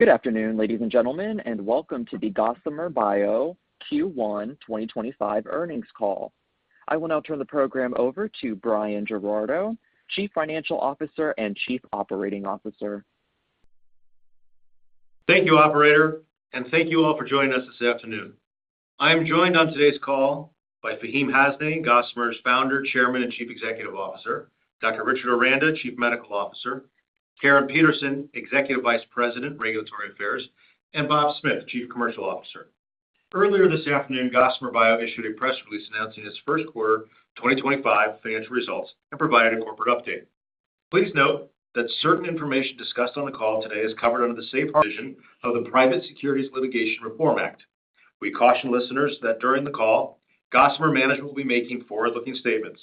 Good afternoon, ladies and gentlemen, and welcome to the Gossamer Bio Q1 2025 earnings call. I will now turn the program over to Bryan Giraudo, Chief Financial Officer and Chief Operating Officer. Thank you, Operator, and thank you all for joining us this afternoon. I am joined on today's call by Faheem Hasnain, Gossamer's founder, chairman, and chief executive officer, Dr. Richard Aranda, chief medical officer, Caryn Peterson, executive vice president, regulatory affairs, and Bob Smith, chief commercial officer. Earlier this afternoon, Gossamer Bio issued a press release announcing its first quarter 2025 financial results and provided a corporate update. Please note that certain information discussed on the call today is covered under the safe provision of the Private Securities Litigation Reform Act. We caution listeners that during the call, Gossamer management will be making forward-looking statements.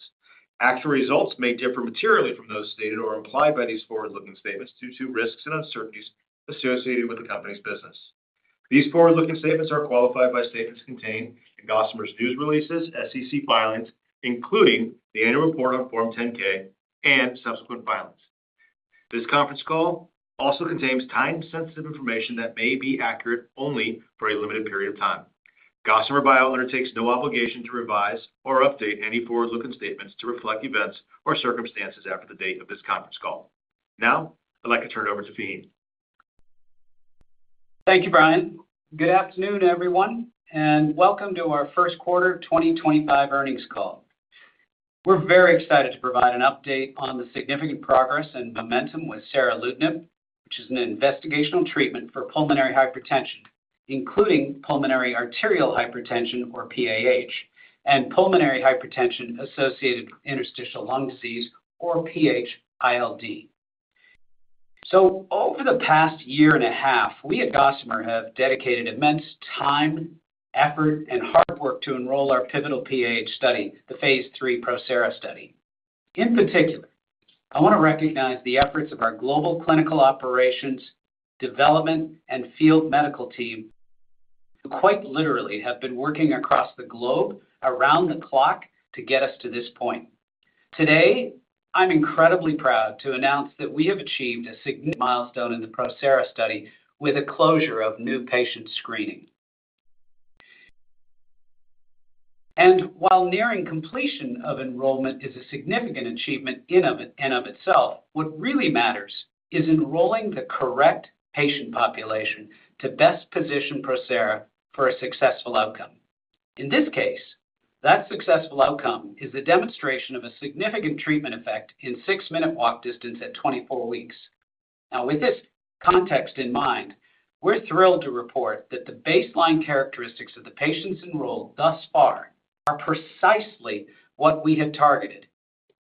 Actual results may differ materially from those stated or implied by these forward-looking statements due to risks and uncertainties associated with the company's business. These forward-looking statements are qualified by statements contained in Gossamer's news releases, SEC filings, including the annual report on Form 10-K and subsequent filings. This conference call also contains time-sensitive information that may be accurate only for a limited period of time. Gossamer Bio undertakes no obligation to revise or update any forward-looking statements to reflect events or circumstances after the date of this conference call. Now, I'd like to turn it over to Faheem. Thank you, Bryan. Good afternoon, everyone, and welcome to our first quarter 2025 earnings call. We're very excited to provide an update on the significant progress and momentum with seralutinib, which is an investigational treatment for pulmonary hypertension, including pulmonary arterial hypertension, or PAH, and pulmonary hypertension associated with interstitial lung disease, or PH-ILD. Over the past year and a half, we at Gossamer have dedicated immense time, effort, and hard work to enroll our pivotal PAH study, the phase III PROSERA study. In particular, I want to recognize the efforts of our global clinical operations development and field medical team, who quite literally have been working across the globe around the clock to get us to this point. Today, I'm incredibly proud to announce that we have achieved a milestone in the PROSERA study with a closure of new patient screening. While nearing completion of enrollment is a significant achievement in and of itself, what really matters is enrolling the correct patient population to best position PROSERA for a successful outcome. In this case, that successful outcome is the demonstration of a significant treatment effect in a six-minute walk distance at 24 weeks. Now, with this context in mind, we're thrilled to report that the baseline characteristics of the patients enrolled thus far are precisely what we have targeted,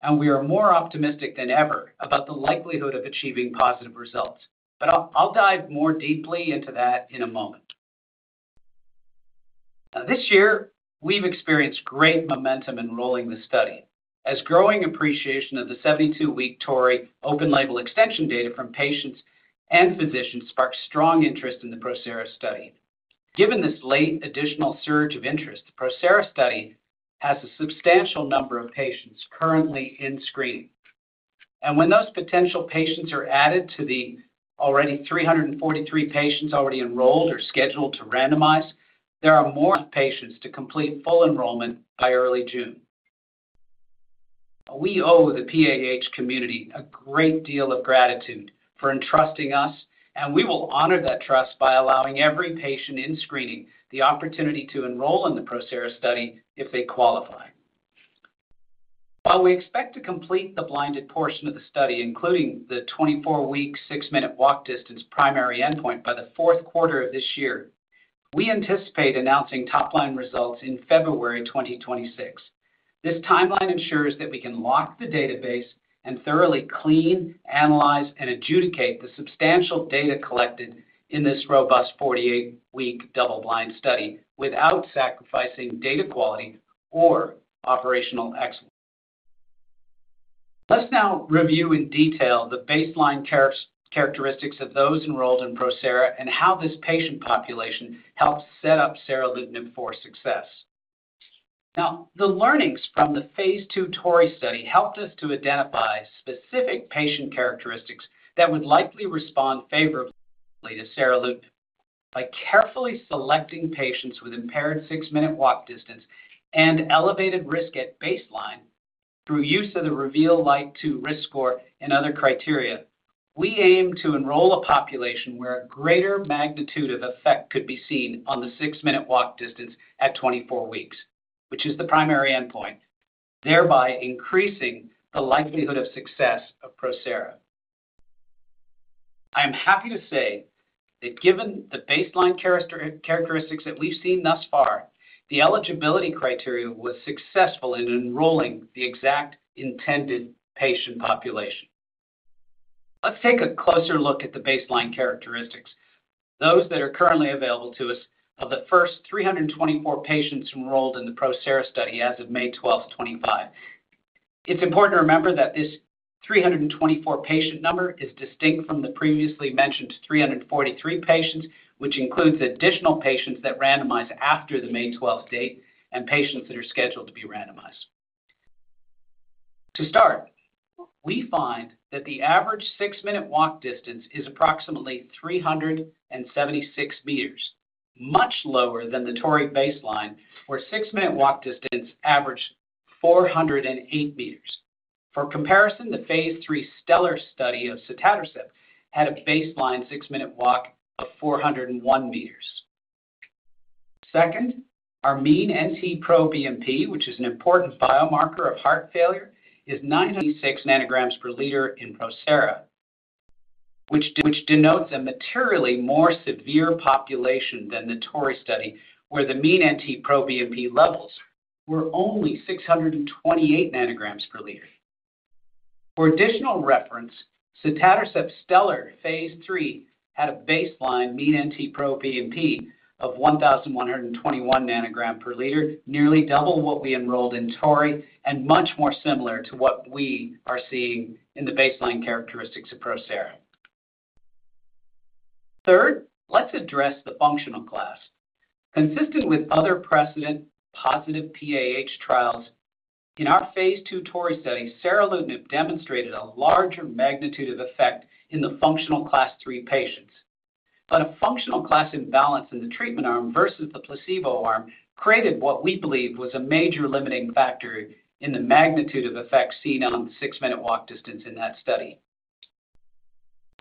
and we are more optimistic than ever about the likelihood of achieving positive results. I'll dive more deeply into that in a moment. This year, we've experienced great momentum enrolling the study as growing appreciation of the 72-week TORREY open label extension data from patients and physicians sparked strong interest in the PROSERA study. Given this late additional surge of interest, the PROSERA study has a substantial number of patients currently in screening. When those potential patients are added to the already 343 patients already enrolled or scheduled to randomize, there are more patients to complete full enrollment by early June. We owe the PAH community a great deal of gratitude for entrusting us, and we will honor that trust by allowing every patient in screening the opportunity to enroll in the PROSERA study if they qualify. While we expect to complete the blinded portion of the study, including the 24-week, six-minute walk distance primary endpoint by the fourth quarter of this year, we anticipate announcing top-line results in February 2026. This timeline ensures that we can lock the database and thoroughly clean, analyze, and adjudicate the substantial data collected in this robust 48-week double-blind study without sacrificing data quality or operational excellence. Let's now review in detail the baseline characteristics of those enrolled in PROSERA and how this patient population helped set up seralutinib for success. Now, the learnings from the phase II TORREY study helped us to identify specific patient characteristics that would likely respond favorably to seralutinib by carefully selecting patients with impaired six-minute walk distance and elevated risk at baseline through use of the REVEAL 2.0 risk score and other criteria. We aim to enroll a population where a greater magnitude of effect could be seen on the six-minute walk distance at 24 weeks, which is the primary endpoint, thereby increasing the likelihood of success of PROSERA. I am happy to say that given the baseline characteristics that we've seen thus far, the eligibility criteria was successful in enrolling the exact intended patient population. Let's take a closer look at the baseline characteristics, those that are currently available to us of the first 324 patients enrolled in the PROSERA study as of May 12th, 2025. It's important to remember that this 324 patient number is distinct from the previously mentioned 343 patients, which includes additional patients that randomize after the May 12th date and patients that are scheduled to be randomized. To start, we find that the average six-minute walk distance is approximately 376 meters, much lower than the TORREY baseline, where six-minute walk distance averaged 408 meters. For comparison, the phase III STELLAR study of Sotatercept had a baseline six-minute walk of 401 meters. Second, our mean NT-proBNP, which is an important biomarker of heart failure, is 986 ng per liter in PROSERA, which denotes a materially more severe population than the TORREY study, where the mean NT-proBNP levels were only 628 ng per liter. For additional reference, Sotatercept's STELLAR phase III had a baseline mean NT-proBNP of 1,121 ng per liter, nearly double what we enrolled in TORREY, and much more similar to what we are seeing in the baseline characteristics of PROSERA. Third, let's address the functional class. Consistent with other precedent positive PAH trials, in our phase II TORREY study, seralutinib demonstrated a larger magnitude of effect in the functional class III patients. A functional class imbalance in the treatment arm versus the placebo arm created what we believe was a major limiting factor in the magnitude of effect seen on the six-minute walk distance in that study.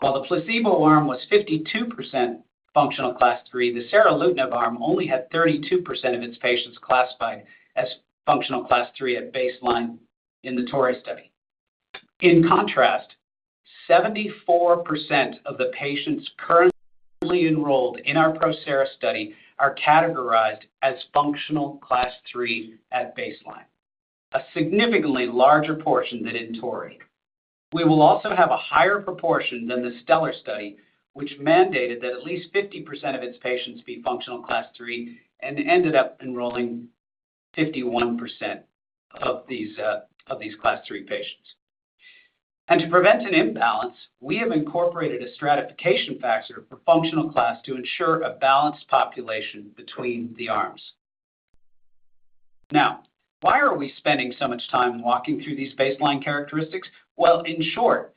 While the placebo arm was 52% functional class III, the seralutinib arm only had 32% of its patients classified as functional class III at baseline in the TORREY study. In contrast, 74% of the patients currently enrolled in our PROSERA study are categorized as functional class III at baseline, a significantly larger portion than in TORREY. We will also have a higher proportion than the STELLAR study, which mandated that at least 50% of its patients be functional class III and ended up enrolling 51% of these class III patients. To prevent an imbalance, we have incorporated a stratification factor for functional class to ensure a balanced population between the arms. Now, why are we spending so much time walking through these baseline characteristics? In short,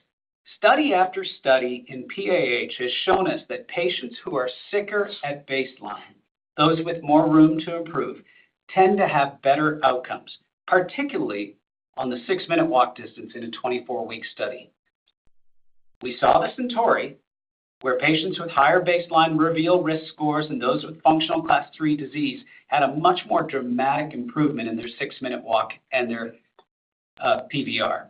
study after study in PAH has shown us that patients who are sicker at baseline, those with more room to improve, tend to have better outcomes, particularly on the six-minute walk distance in a 24-week study. We saw this in TORREY, where patients with higher baseline REVEAL risk scores and those with functional class III disease had a much more dramatic improvement in their six-minute walk and their PVR.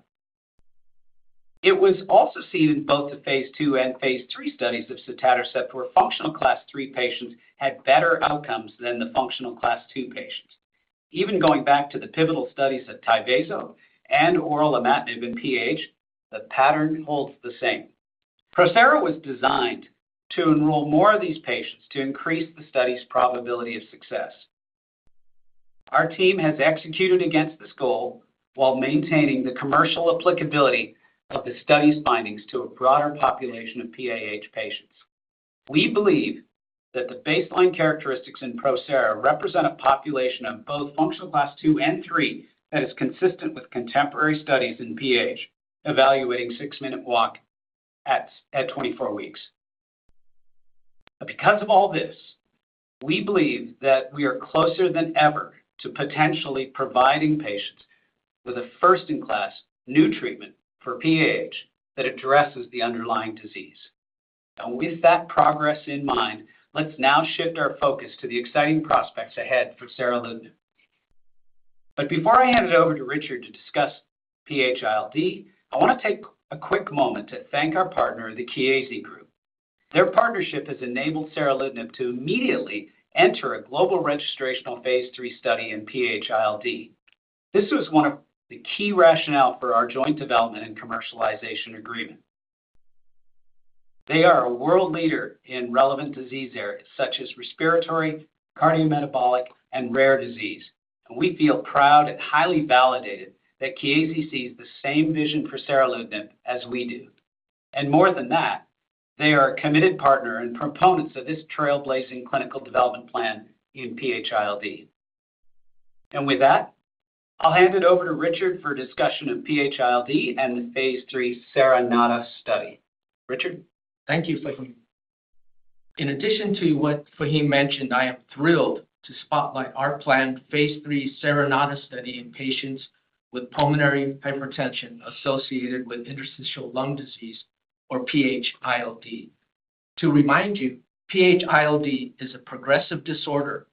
It was also seen in both the phase II and phase III studies of seralutinib that functional class III patients had better outcomes than the functional class II patients. Even going back to the pivotal studies of Tyvaso and oral Imatinib in PAH, the pattern holds the same. PROSERA was designed to enroll more of these patients to increase the study's probability of success. Our team has executed against this goal while maintaining the commercial applicability of the study's findings to a broader population of PAH patients. We believe that the baseline characteristics in PROSERA represent a population of both functional class two and three that is consistent with contemporary studies in PAH evaluating six-minute walk at 24 weeks. Because of all this, we believe that we are closer than ever to potentially providing patients with a first-in-class new treatment for PAH that addresses the underlying disease. With that progress in mind, let's now shift our focus to the exciting prospects ahead for seralutinib. Before I hand it over to Richard to discuss PH-ILD, I want to take a quick moment to thank our partner, the Chiesi Group. Their partnership has enabled seralutinib to immediately enter a global registrational phase III study in PH-ILD. This was one of the key rationales for our joint development and commercialization agreement. They are a world leader in relevant disease areas such as respiratory, cardiometabolic, and rare disease. We feel proud and highly validated that Chiesi sees the same vision for seralutinib as we do. More than that, they are a committed partner and proponents of this trailblazing clinical development plan in PH-ILD. With that, I'll hand it over to Richard for discussion of PH-ILD and the phase III Seronata study. Richard? Thank you, Faheem. In addition to what Faheem mentioned, I am thrilled to spotlight our planned phase III Seronata study in patients with pulmonary hypertension associated with interstitial lung disease, or PH-ILD. To remind you, PH-ILD is a progressive disorder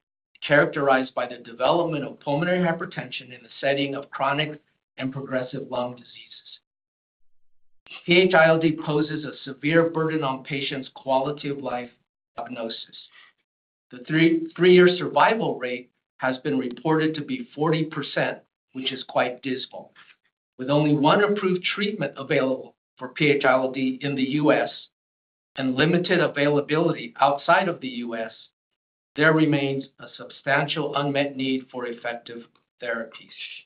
characterized by the development of pulmonary hypertension in the setting of chronic and progressive lung diseases. PH-ILD poses a severe burden on patients' quality of life prognosis. The three-year survival rate has been reported to be 40%, which is quite dismal. With only one approved treatment available for PH-ILD in the U.S. and limited availability outside of the U.S., there remains a substantial unmet need for effective therapies.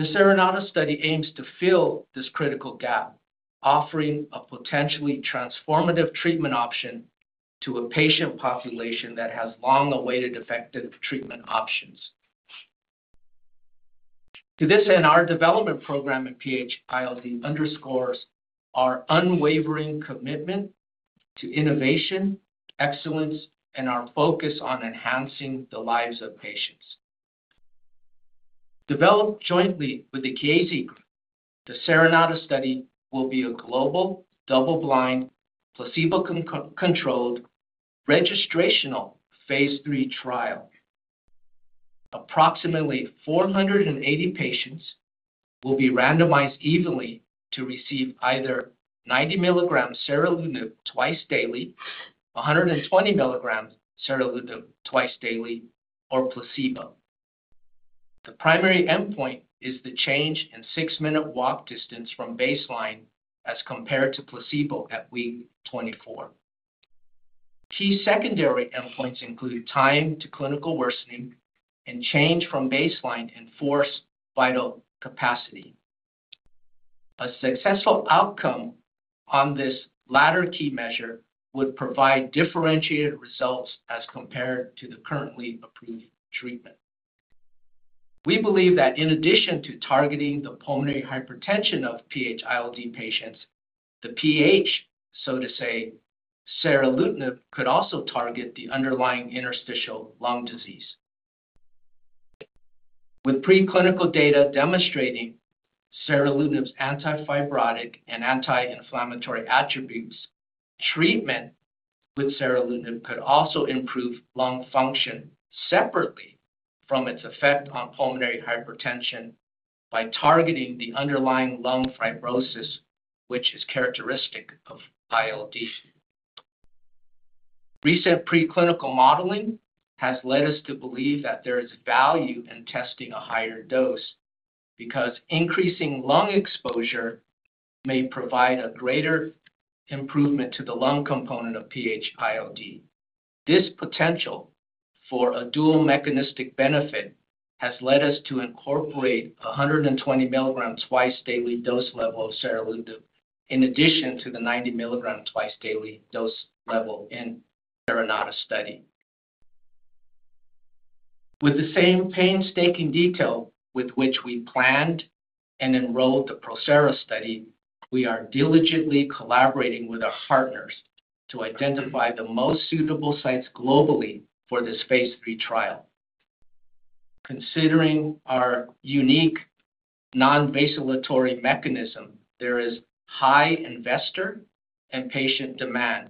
The Seronata study aims to fill this critical gap, offering a potentially transformative treatment option to a patient population that has long awaited effective treatment options. To this end, our development program at PH-ILD underscores our unwavering commitment to innovation, excellence, and our focus on enhancing the lives of patients. Developed jointly with the Chiesi, the Seronata study will be a global double-blind, placebo-controlled registrational phase III trial. Approximately 480 patients will be randomized evenly to receive either 90 mg of seralutinib twice daily, 120 mg of seralutinib twice daily, or placebo. The primary endpoint is the change in six-minute walk distance from baseline as compared to placebo at week 24. Key secondary endpoints include time to clinical worsening and change from baseline in forced vital capacity. A successful outcome on this latter key measure would provide differentiated results as compared to the currently approved treatment. We believe that in addition to targeting the pulmonary hypertension of PH-ILD patients, the PH, so to say, seralutinib could also target the underlying interstitial lung disease. With preclinical data demonstrating seralutinib's antifibrotic and anti-inflammatory attributes, treatment with seralutinib could also improve lung function separately from its effect on pulmonary hypertension by targeting the underlying lung fibrosis, which is characteristic of ILD. Recent preclinical modeling has led us to believe that there is value in testing a higher dose because increasing lung exposure may provide a greater improvement to the lung component of PH-ILD. This potential for a dual mechanistic benefit has led us to incorporate a 120 mg twice daily dose level of seralutinib in addition to the 90 mg twice daily dose level in the Seronata study. With the same painstaking detail with which we planned and enrolled the PROSERA study, we are diligently collaborating with our partners to identify the most suitable sites globally for this phase III trial. Considering our unique non-vasculatory mechanism, there is high investor and patient demand.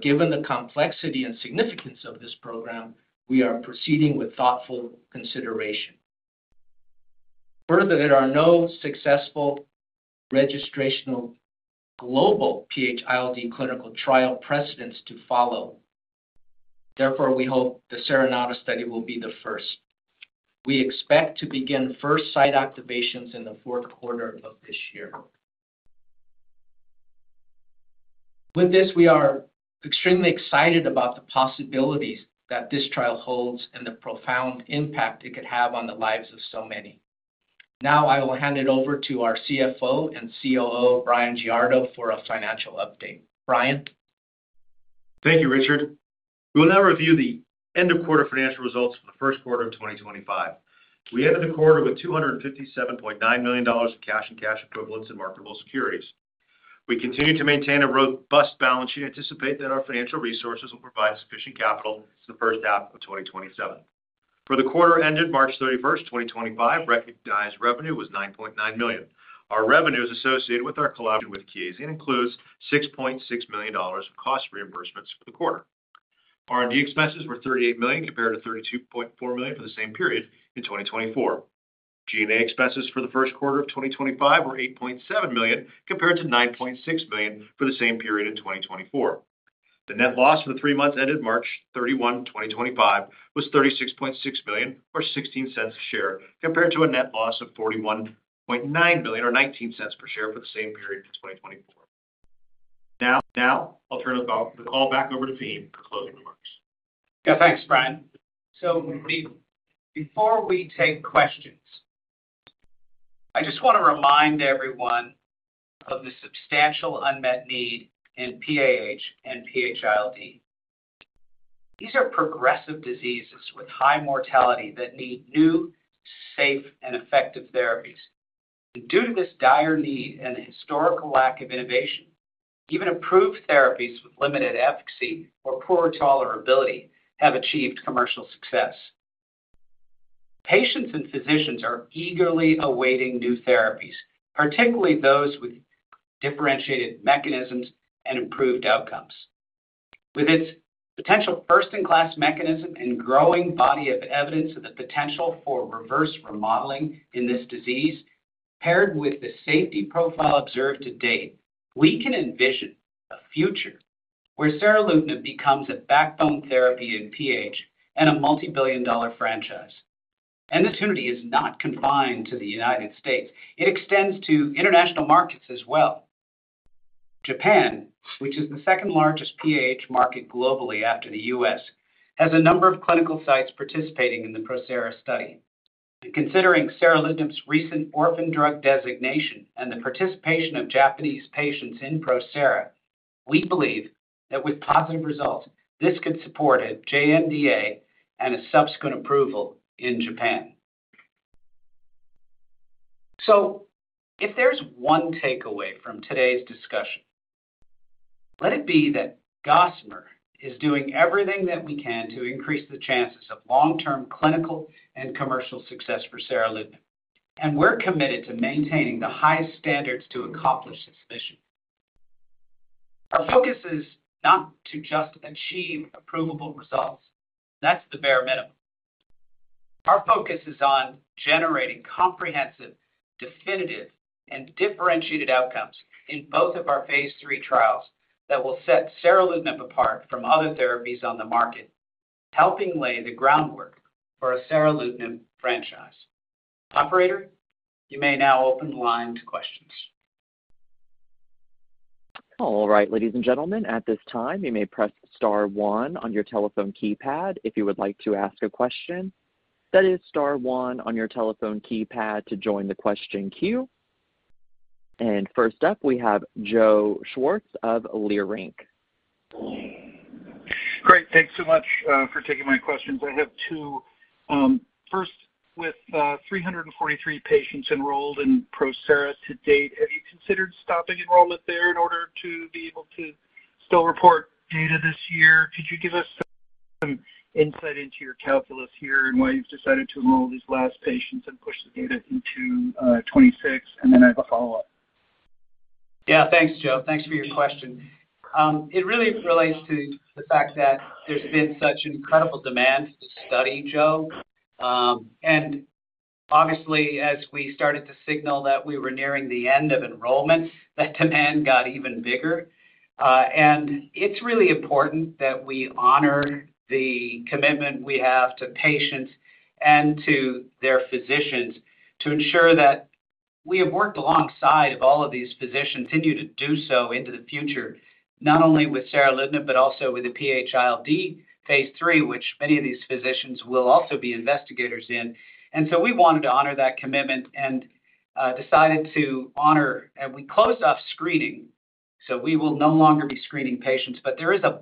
Given the complexity and significance of this program, we are proceeding with thoughtful consideration. Further, there are no successful registrational global PH-ILD clinical trial precedents to follow. Therefore, we hope the Seronata study will be the first. We expect to begin first site activations in the fourth quarter of this year. With this, we are extremely excited about the possibilities that this trial holds and the profound impact it could have on the lives of so many. Now, I will hand it over to our CFO and COO, Bryan Giraudo, for a financial update. Bryan? Thank you, Richard. We will now review the end-of-quarter financial results for the first quarter of 2025. We ended the quarter with $257.9 million in cash and cash equivalents and marketable securities. We continue to maintain a robust balance sheet and anticipate that our financial resources will provide sufficient capital for the first half of 2027. For the quarter ended March 31st, 2025, recognized revenue was $9.9 million. Our revenues associated with our collaboration with Chiesi includes $6.6 million in cost reimbursements for the quarter. R&D expenses were $38 million compared to $32.4 million for the same period in 2024. G&A expenses for the first quarter of 2025 were $8.7 million compared to $9.6 million for the same period in 2024. The net loss for the three months ended March 31, 2025, was $36.6 million, or $0.16 a share, compared to a net loss of $41.9 million, or $0.19 per share for the same period in 2024. Now, I'll turn the call back over to Faheem for closing remarks. Yeah, thanks, Bryan. Before we take questions, I just want to remind everyone of the substantial unmet need in PAH and PH-ILD. These are progressive diseases with high mortality that need new, safe, and effective therapies. Due to this dire need and historical lack of innovation, even approved therapies with limited efficacy or poor tolerability have achieved commercial success. Patients and physicians are eagerly awaiting new therapies, particularly those with differentiated mechanisms and improved outcomes. With its potential first-in-class mechanism and growing body of evidence of the potential for reverse remodeling in this disease, paired with the safety profile observed to date, we can envision a future where seralutinib becomes a backbone therapy in PAH and a multi-billion dollar franchise. The opportunity is not confined to the United States. It extends to international markets as well. Japan, which is the second-largest PAH market globally after the U.S., has a number of clinical sites participating in the PROSERA study. Considering seralutinib's recent orphan drug designation and the participation of Japanese patients in PROSERA, we believe that with positive results, this could support a JNDA and a subsequent approval in Japan. If there is one takeaway from today's discussion, let it be that Gossamer is doing everything that we can to increase the chances of long-term clinical and commercial success for seralutinib. We are committed to maintaining the highest standards to accomplish this mission. Our focus is not to just achieve approvable results. That is the bare minimum. Our focus is on generating comprehensive, definitive, and differentiated outcomes in both of our phase III trials that will set seralutinib apart from other therapies on the market, helping lay the groundwork for a seralutinib franchise. Operator, you may now open the line to questions. All right, ladies and gentlemen, at this time, you may press star one on your telephone keypad if you would like to ask a question. That is star one on your telephone keypad to join the question queue. First up, we have Joe Schwartz of Leerink. Great. Thanks so much for taking my questions. I have two. First, with 343 patients enrolled in PROSERA to date, have you considered stopping enrollment there in order to be able to still report data this year? Could you give us some insight into your calculus here and why you've decided to enroll these last patients and push the data into 2026? I have a follow-up. Yeah, thanks, Joe. Thanks for your question. It really relates to the fact that there's been such incredible demand for this study, Joe. Obviously, as we started to signal that we were nearing the end of enrollment, that demand got even bigger. It's really important that we honor the commitment we have to patients and to their physicians to ensure that we have worked alongside all of these physicians. We continue to do so into the future, not only with seralutinib but also with the PH-ILD phase III, which many of these physicians will also be investigators in. We wanted to honor that commitment and decided to honor, and we closed off screening. We will no longer be screening patients, but there is a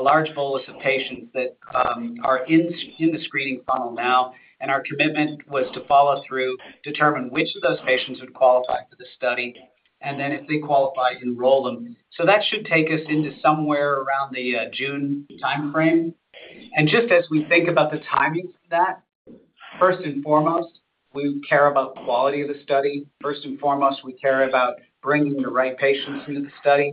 large bolus of patients that are in the screening funnel now. Our commitment was to follow through, determine which of those patients would qualify for the study, and then if they qualify, enroll them. That should take us into somewhere around the June timeframe. Just as we think about the timing of that, first and foremost, we care about the quality of the study. First and foremost, we care about bringing the right patients into the study.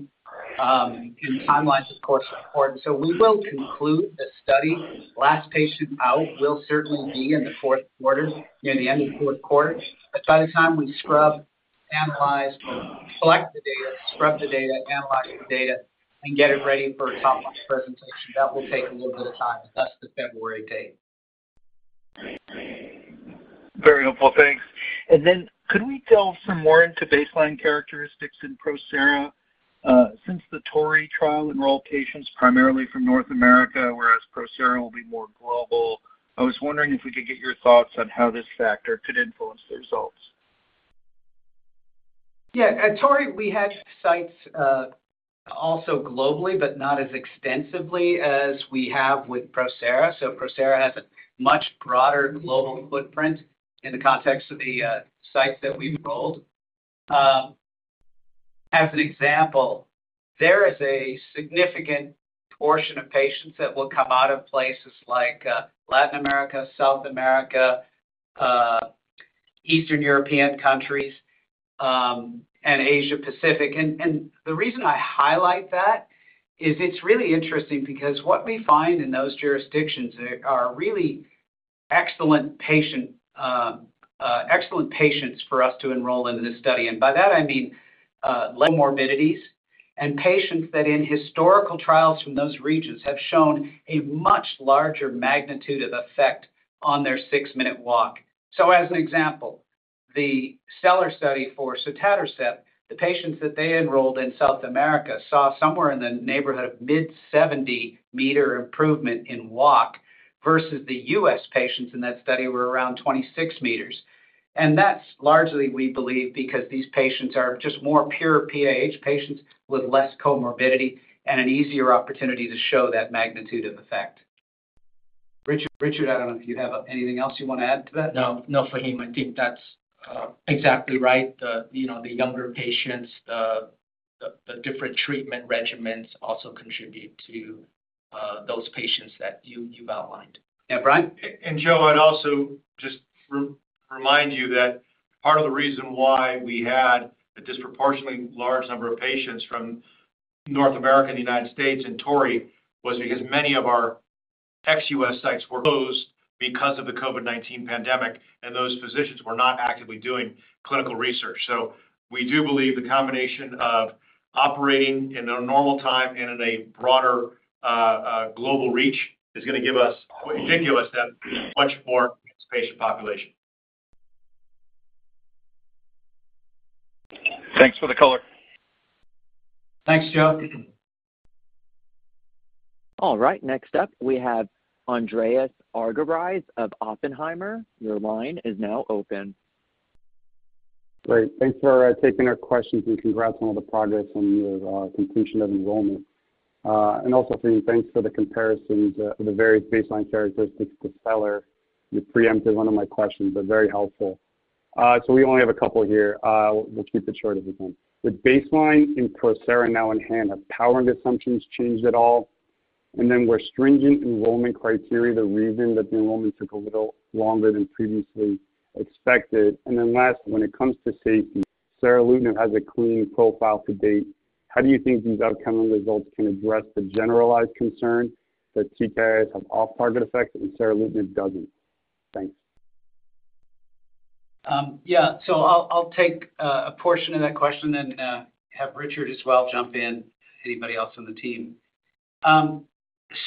Timelines, of course, are important. We will conclude the study. Last patient out will certainly be in the fourth quarter, near the end of the fourth quarter. By the time we scrub, analyze, and collect the data, scrub the data, analyze the data, and get it ready for a top-line presentation, that will take a little bit of time, but that is the February date. Very helpful. Thanks. Could we delve some more into baseline characteristics in PROSERA? Since the TORREY trial enrolled patients primarily from North America, whereas PROSERA will be more global, I was wondering if we could get your thoughts on how this factor could influence the results. Yeah. At TORREY, we had sites also globally, but not as extensively as we have with PROSERA. PROSERA has a much broader global footprint in the context of the sites that we enrolled. As an example, there is a significant portion of patients that will come out of places like Latin America, South America, Eastern European Countries, and Asia-Pacific. The reason I highlight that is it's really interesting because what we find in those jurisdictions are really excellent patients for us to enroll into this study. By that, I mean low morbidities and patients that in historical trials from those regions have shown a much larger magnitude of effect on their six-minute walk. As an example, the STELLAR study for Sotatercept, the patients that they enrolled in South America saw somewhere in the neighborhood of mid-70-meter improvement in walk versus the U.S. patients in that study were around 26 meters. That is largely, we believe, because these patients are just more pure PAH patients with less comorbidity and an easier opportunity to show that magnitude of effect. Richard, I do not know if you have anything else you want to add to that. No, no Faheem. I think that's exactly right. The younger patients, the different treatment regimens also contribute to those patients that you've outlined. Yeah, Brian. Joe, I'd also just remind you that part of the reason why we had a disproportionately large number of patients from North America and the United States in TORREY was because many of our ex-U.S. sites were closed because of the COVID-19 pandemic, and those physicians were not actively doing clinical research. We do believe the combination of operating in a normal time and in a broader global reach is going to give us, what you did give us, that much more patient population. Thanks for the color. Thanks, Joe. All right. Next up, we have Andreas Argyrides of Oppenheimer. Your line is now open. Great. Thanks for taking our questions and congrats on all the progress and your completion of enrollment. Also, Faheem, thanks for the comparisons of the various baseline characteristics to STELLAR. You preempted one of my questions. They're very helpful. We only have a couple here. We'll keep it short if we can. With baseline in PROSERA now in hand, have powering assumptions changed at all? Were stringent enrollment criteria the reason that the enrollment took a little longer than previously expected? Last, when it comes to safety, seralutinib has a clean profile to date. How do you think these upcoming results can address the generalized concern that TKIs have off-target effects and seralutinib does not? Thanks. Yeah. I'll take a portion of that question and have Richard as well jump in. Anybody else on the team?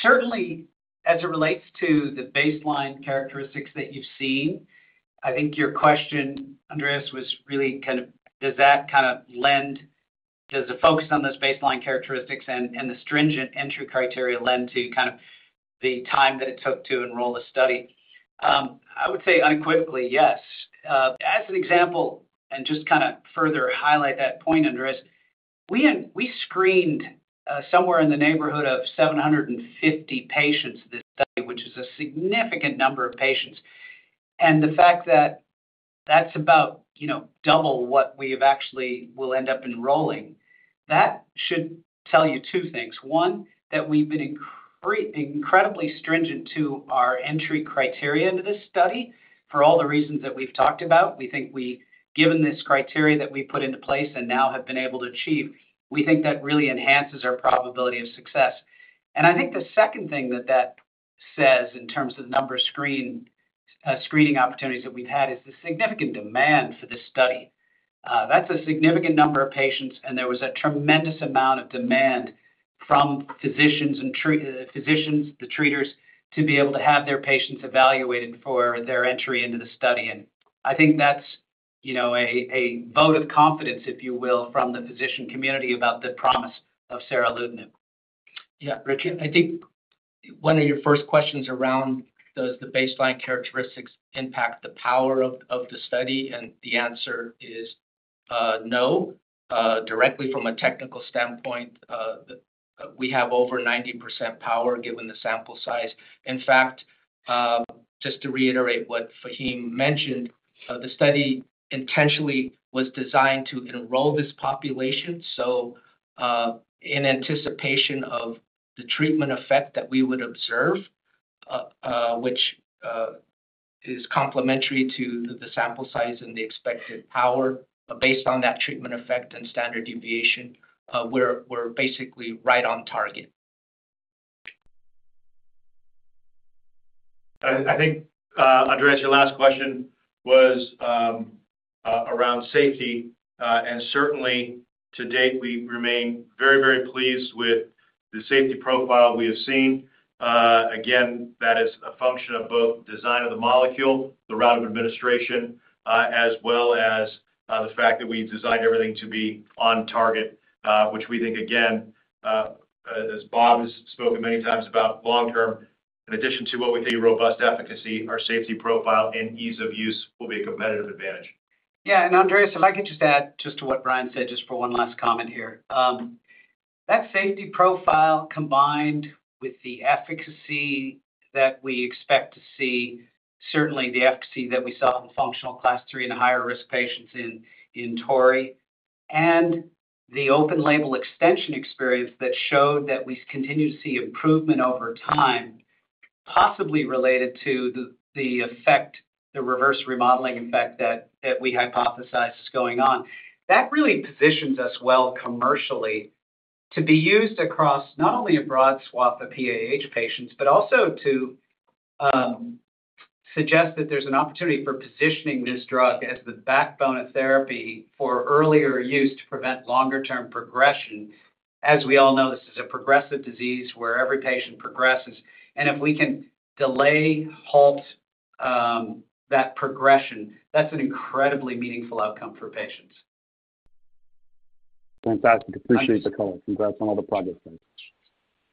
Certainly, as it relates to the baseline characteristics that you've seen, I think your question, Andreas, was really kind of, does that kind of lend, does the focus on those baseline characteristics and the stringent entry criteria lend to kind of the time that it took to enroll the study? I would say unequivocally, yes. As an example, and just kind of further highlight that point, Andreas, we screened somewhere in the neighborhood of 750 patients this study, which is a significant number of patients. The fact that that's about double what we have actually will end up enrolling, that should tell you two things. One, that we've been incredibly stringent to our entry criteria into this study for all the reasons that we've talked about. We think we've given this criteria that we've put into place and now have been able to achieve. We think that really enhances our probability of success. I think the second thing that that says in terms of the number of screening opportunities that we've had is the significant demand for this study. That's a significant number of patients, and there was a tremendous amount of demand from physicians and the treaters to be able to have their patients evaluated for their entry into the study. I think that's a vote of confidence, if you will, from the physician community about the promise of seralutinib. Yeah, Richard, I think one of your first questions around does the baseline characteristics impact the power of the study? The answer is no. Directly from a technical standpoint, we have over 90% power given the sample size. In fact, just to reiterate what Faheem mentioned, the study intentionally was designed to enroll this population. In anticipation of the treatment effect that we would observe, which is complementary to the sample size and the expected power, based on that treatment effect and standard deviation, we're basically right on target. I think, Andreas, your last question was around safety. Certainly, to date, we remain very, very pleased with the safety profile we have seen. Again, that is a function of both design of the molecule, the route of administration, as well as the fact that we designed everything to be on target, which we think, again, as Bob has spoken many times about long-term, in addition to what we think is robust efficacy, our safety profile and ease of use will be a competitive advantage. Yeah. Andreas, I'd like to just add to what Bryan said, just for one last comment here. That safety profile combined with the efficacy that we expect to see, certainly the efficacy that we saw in functional class III and higher risk patients in TORREY, and the open-label extension experience that showed that we continue to see improvement over time, possibly related to the reverse remodeling effect that we hypothesize is going on, that really positions us well commercially to be used across not only a broad swath of PAH patients, but also to suggest that there's an opportunity for positioning this drug as the backbone of therapy for earlier use to prevent longer-term progression. As we all know, this is a progressive disease where every patient progresses. If we can delay, halt that progression, that's an incredibly meaningful outcome for patients. Fantastic. Appreciate the color. Congrats on all the progress.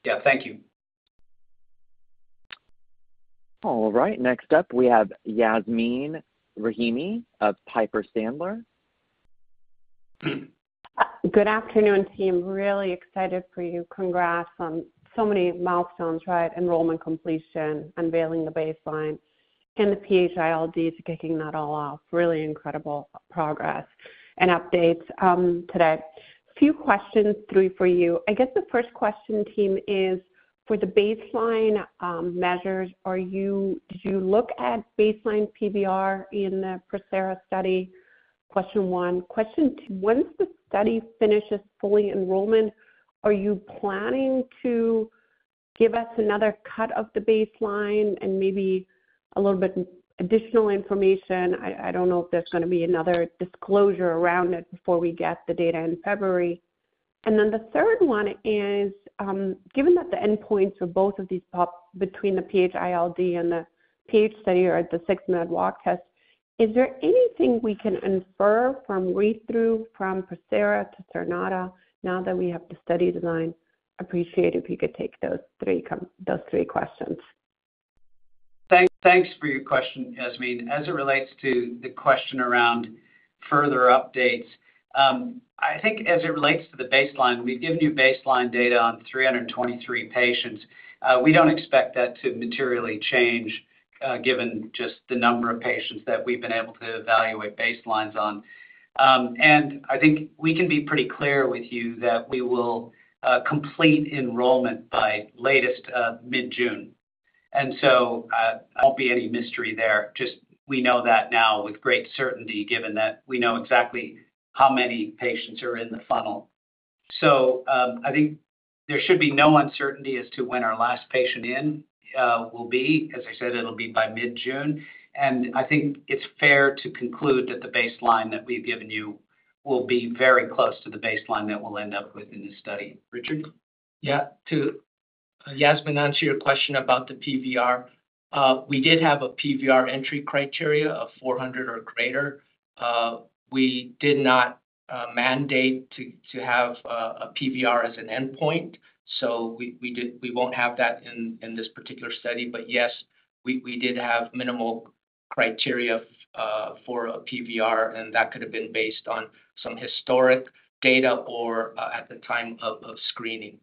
Yeah. Thank you. All right. Next up, we have Yasmeen Rahimi of Piper Sandler. Good afternoon, team. Really excited for you. Congrats on so many milestones, right? Enrollment completion, unveiling the baseline, and the PH-ILD to kicking that all off. Really incredible progress and updates today. A few questions through for you. I guess the first question, team, is for the baseline measures, did you look at baseline PVR in the PROSERA study? Question one. Once the study finishes full enrollment, are you planning to give us another cut of the baseline and maybe a little bit additional information? I don't know if there's going to be another disclosure around it before we get the data in February. And then the third one is, given that the endpoints are both of these between the PH-ILD and the PH study or the six-minute walk test, is there anything we can infer from read-through from PROSERA to Seronata now that we have the study design? Appreciate if you could take those three questions. Thanks for your question, Yasmeen. As it relates to the question around further updates, I think as it relates to the baseline, we've given you baseline data on 323 patients. We do not expect that to materially change given just the number of patients that we've been able to evaluate baselines on. I think we can be pretty clear with you that we will complete enrollment by latest mid-June. It will not be any mystery there. We know that now with great certainty given that we know exactly how many patients are in the funnel. I think there should be no uncertainty as to when our last patient in will be. As I said, it will be by mid-June. I think it is fair to conclude that the baseline that we've given you will be very close to the baseline that we'll end up with in this study. Richard? Yeah. To Yasmeen, to answer your question about the PVR, we did have a PVR entry criteria of 400 or greater. We did not mandate to have a PVR as an endpoint. We will not have that in this particular study. Yes, we did have minimal criteria for a PVR, and that could have been based on some historic data or at the time of screening.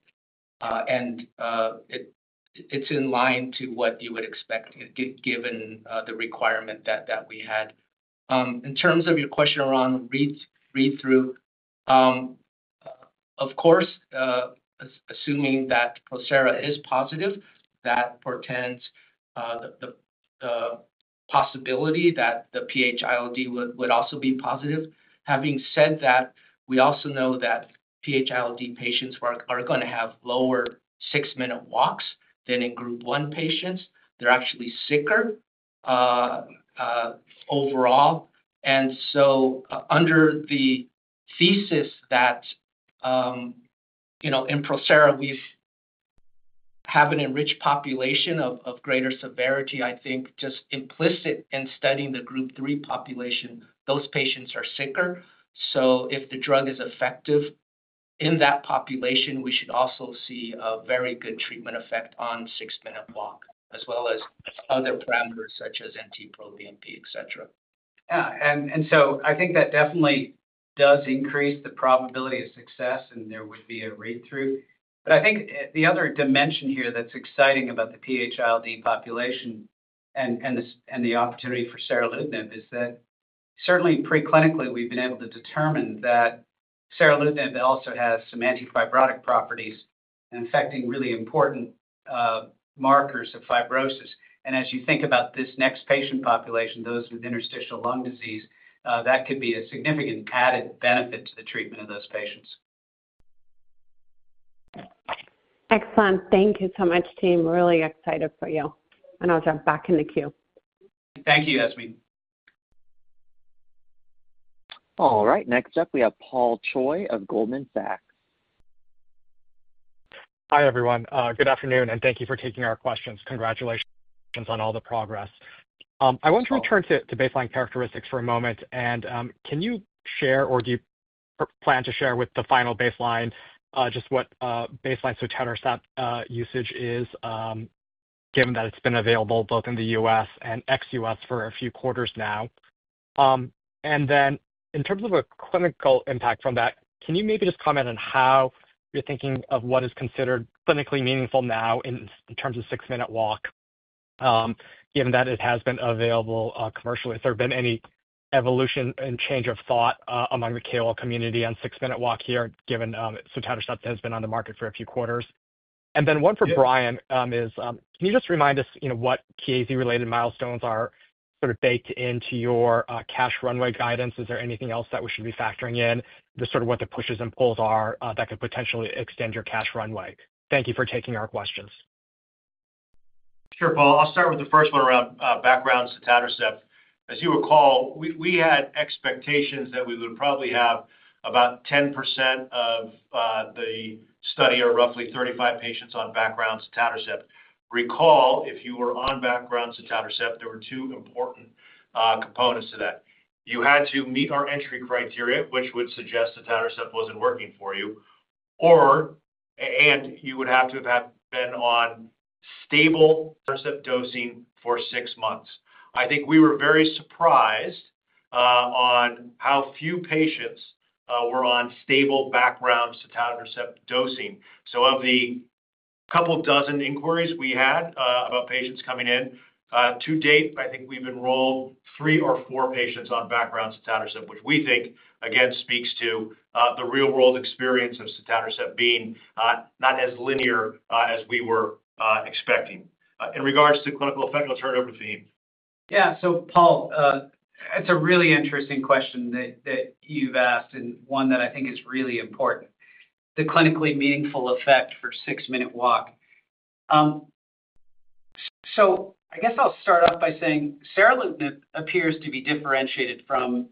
It is in line with what you would expect given the requirement that we had. In terms of your question around read-through, of course, assuming that PROSERA is positive, that portends the possibility that the PH-ILD would also be positive. Having said that, we also know that PH-ILD patients are going to have lower six-minute walks than in group one patients. They are actually sicker overall. Under the thesis that in PROSERA, we have an enriched population of greater severity, I think just implicit in studying the group three population, those patients are sicker. If the drug is effective in that population, we should also see a very good treatment effect on six-minute walk as well as other parameters such as NT-proBNP, etc. Yeah. I think that definitely does increase the probability of success, and there would be a read-through. I think the other dimension here that's exciting about the PH-ILD population and the opportunity for seralutinib is that certainly preclinically, we've been able to determine that seralutinib also has some antifibrotic properties affecting really important markers of fibrosis. As you think about this next patient population, those with interstitial lung disease, that could be a significant added benefit to the treatment of those patients. Excellent. Thank you so much, team. Really excited for you. I'll jump back in the queue. Thank you, Yasmeen. All right. Next up, we have Paul Choi of Goldman Sachs. Hi everyone. Good afternoon, and thank you for taking our questions. Congratulations on all the progress. I want to return to baseline characteristics for a moment. Can you share or do you plan to share with the final baseline just what baseline Sotatercept usage is, given that it's been available both in the U.S. and ex-U.S. for a few quarters now? In terms of a clinical impact from that, can you maybe just comment on how you're thinking of what is considered clinically meaningful now in terms of six-minute walk, given that it has been available commercially? Has there been any evolution and change of thought among the KOL community on six-minute walk here, given Sotatercept has been on the market for a few quarters? One for Bryan is, can you just remind us what Chiesi-related milestones are sort of baked into your cash runway guidance? Is there anything else that we should be factoring in, just sort of what the pushes and pulls are that could potentially extend your cash runway? Thank you for taking our questions. Sure, Paul. I'll start with the first one around background Sotatercept. As you recall, we had expectations that we would probably have about 10% of the study or roughly 35 patients on background Sotatercept. Recall, if you were on background Sotatercept, there were two important components to that. You had to meet our entry criteria, which would suggest Sotatercept was not working for you, and you would have to have been on stable Sotatercept dosing for six months. I think we were very surprised on how few patients were on stable background Sotatercept dosing. Of the couple dozen inquiries we had about patients coming in to date, I think we've enrolled three or four patients on background Sotatercept, which we think, again, speaks to the real-world experience of Sotatercept being not as linear as we were expecting. In regards to clinical effect, I'll turn it over to Faheem. Yeah. Paul, it's a really interesting question that you've asked and one that I think is really important, the clinically meaningful effect for six-minute walk. I guess I'll start off by saying seralutinib appears to be differentiated from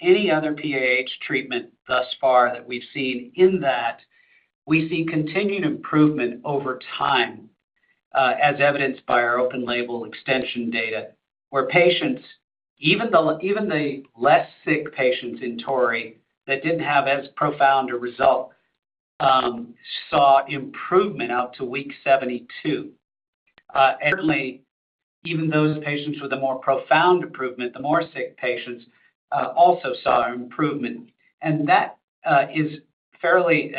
any other PAH treatment thus far that we've seen. In that, we see continued improvement over time, as evidenced by our open-label extension data, where patients, even the less sick patients in TORREY that did not have as profound a result, saw improvement out to week 72. Certainly, even those patients with a more profound improvement, the more sick patients, also saw improvement. That is a fairly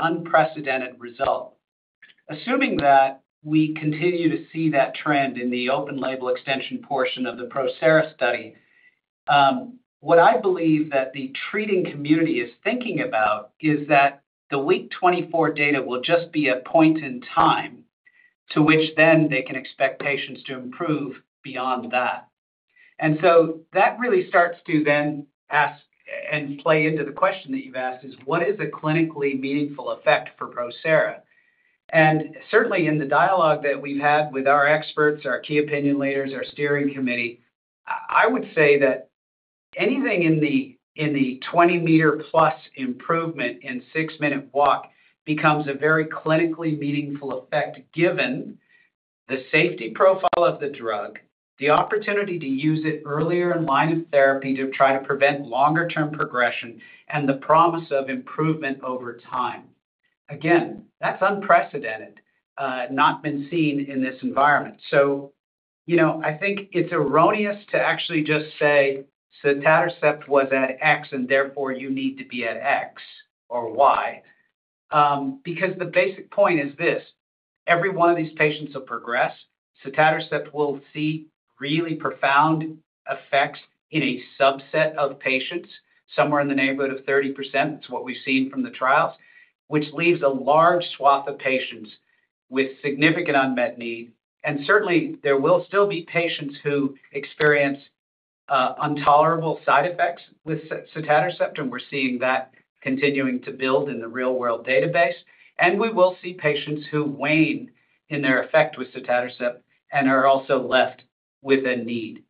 unprecedented result. Assuming that we continue to see that trend in the open-label extension portion of the PROSERA study, what I believe that the treating community is thinking about is that the week 24 data will just be a point in time to which then they can expect patients to improve beyond that. That really starts to then ask and play into the question that you've asked is, what is a clinically meaningful effect for PROSERA? Certainly, in the dialogue that we've had with our experts, our key opinion leaders, our steering committee, I would say that anything in the 20-meter-plus improvement in six-minute walk becomes a very clinically meaningful effect given the safety profile of the drug, the opportunity to use it earlier in line of therapy to try to prevent longer-term progression, and the promise of improvement over time. Again, that's unprecedented, not been seen in this environment. I think it's erroneous to actually just say Sotatercept was at X, and therefore you need to be at X or Y, because the basic point is this: every one of these patients will progress. Sotatercept will see really profound effects in a subset of patients, somewhere in the neighborhood of 30%. It's what we've seen from the trials, which leaves a large swath of patients with significant unmet need. Certainly, there will still be patients who experience intolerable side effects with Sotatercept, and we're seeing that continuing to build in the real-world database. We will see patients who wane in their effect with Sotatercept and are also left with a need.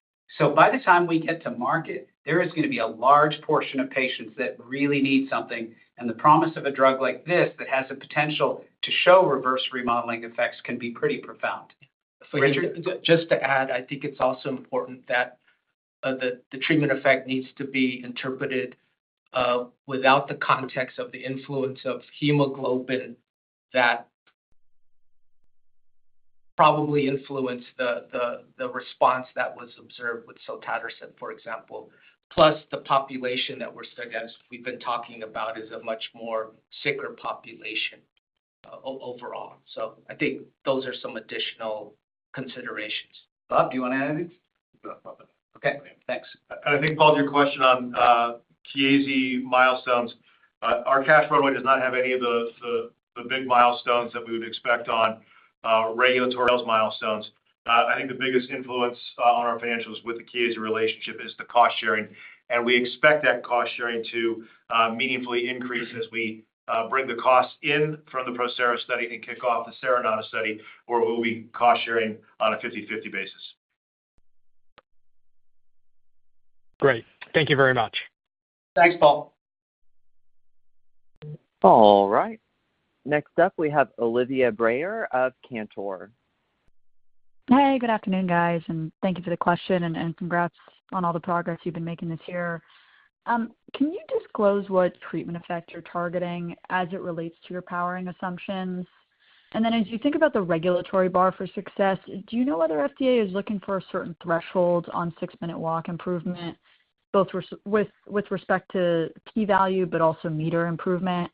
By the time we get to market, there is going to be a large portion of patients that really need something. The promise of a drug like this that has a potential to show reverse remodeling effects can be pretty profound. Richard, just to add, I think it's also important that the treatment effect needs to be interpreted without the context of the influence of hemoglobin that probably influenced the response that was observed with Sotatercept, for example, plus the population that we're studying, as we've been talking about, is a much more sicker population overall. I think those are some additional considerations. Bob, do you want to add anything? No. Okay. Thanks. I think, Paul, your question on Chiesi milestones, our cash runway does not have any of the big milestones that we would expect on regulatory milestones. I think the biggest influence on our financials with the Chiesi relationship is the cost sharing. We expect that cost sharing to meaningfully increase as we bring the costs in from the PROSERA study and kick off the Seronata study, where we will be cost sharing on a 50/50 basis. Great. Thank you very much. Thanks, Paul. All right. Next up, we have Olivia Brayer of Cantor Fitzgerald. Hi. Good afternoon, guys. Thank you for the question, and congrats on all the progress you've been making this year. Can you disclose what treatment effect you're targeting as it relates to your powering assumptions? As you think about the regulatory bar for success, do you know whether FDA is looking for a certain threshold on six-minute walk improvement, both with respect to P-value but also meter improvement?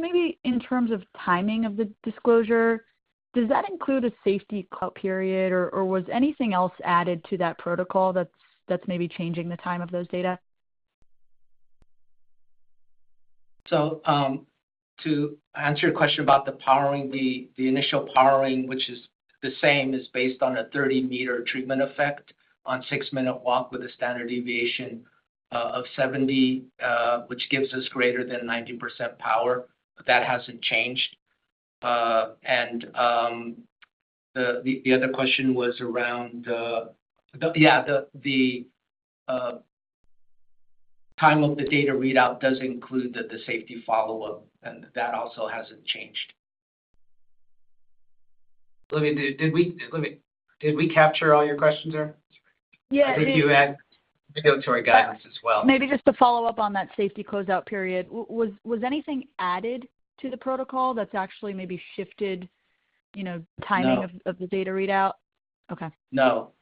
Maybe in terms of timing of the disclosure, does that include a safety period, or was anything else added to that protocol that's maybe changing the time of those data? To answer your question about the powering, the initial powering, which is the same, is based on a 30-meter treatment effect on six-minute walk with a standard deviation of 70, which gives us greater than 90% power. That has not changed. The other question was around, yeah, the time of the data readout does include the safety follow-up, and that also has not changed. Olivia, did we capture all your questions there? Yes. I think you had regulatory guidance as well. Maybe just to follow up on that safety closeout period, was anything added to the protocol that's actually maybe shifted the timing of the data readout? No. Okay. No.